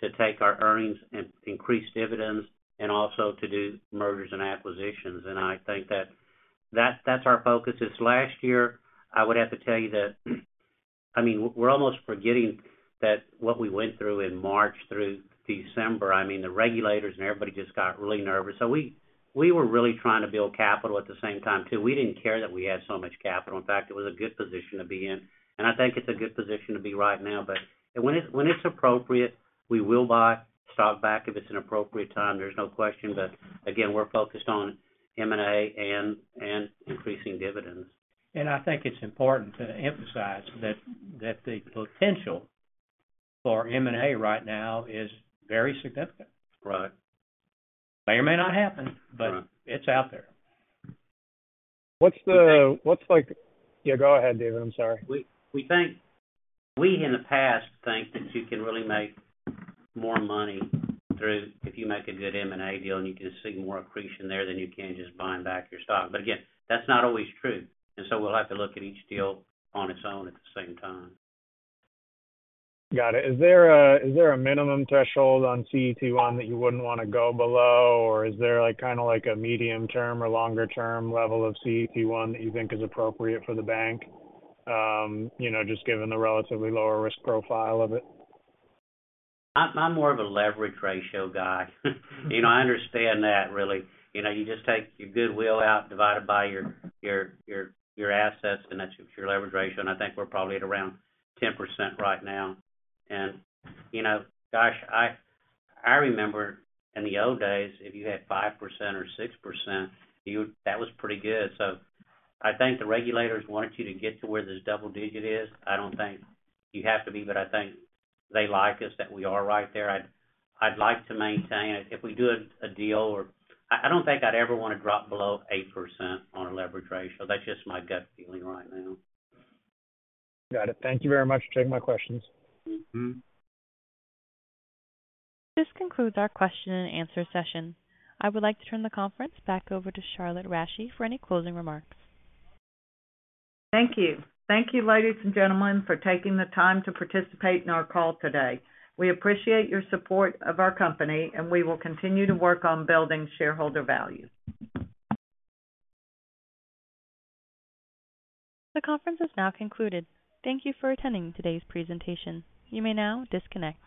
[SPEAKER 3] to take our earnings and increase dividends and also to do mergers and acquisitions. And I think that's our focus. This last year, I would have to tell you that, I mean, we're almost forgetting that, what we went through in March through December, I mean, the regulators and everybody just got really nervous. So we were really trying to build capital at the same time, too. We didn't care that we had so much capital. In fact, it was a good position to be in, and I think it's a good position to be right now. But when it's appropriate, we will buy stock back if it's an appropriate time, there's no question. But again, we're focused on M&A and increasing dividends.
[SPEAKER 5] I think it's important to emphasize that, that the potential for M&A right now is very significant.
[SPEAKER 3] Right.
[SPEAKER 5] May or may not happen-
[SPEAKER 3] Right.
[SPEAKER 5] but it's out there.
[SPEAKER 16] What's the... what's like... Yeah, go ahead, David. I'm sorry.
[SPEAKER 3] We think in the past that you can really make more money through if you make a good M&A deal, and you can see more accretion there than you can just buying back your stock. But again, that's not always true, and so we'll have to look at each deal on its own at the same time.
[SPEAKER 16] Got it. Is there a minimum threshold on CET1 that you wouldn't want to go below? Or is there, like, kind of like a medium-term or longer-term level of CET1 that you think is appropriate for the bank? You know, just given the relatively lower risk profile of it.
[SPEAKER 3] I'm more of a leverage ratio guy. You know, I understand that really. You know, you just take your goodwill out, divide it by your assets, and that's your leverage ratio, and I think we're probably at around 10% right now. And, you know, gosh, I remember in the old days, if you had 5% or 6%, that was pretty good. So I think the regulators wanted you to get to where this double digit is. I don't think you have to be, but I think they like us, that we are right there. I'd like to maintain it if we do a deal or... I don't think I'd ever want to drop below 8% on a leverage ratio. That's just my gut feeling right now.
[SPEAKER 16] Got it. Thank you very much for taking my questions.
[SPEAKER 3] Mm-hmm.
[SPEAKER 1] This concludes our question and answer session. I would like to turn the conference back over to Charlotte Rasche for any closing remarks.
[SPEAKER 2] Thank you. Thank you, ladies and gentlemen, for taking the time to participate in our call today. We appreciate your support of our company, and we will continue to work on building shareholder value.
[SPEAKER 1] The conference is now concluded. Thank you for attending today's presentation. You may now disconnect.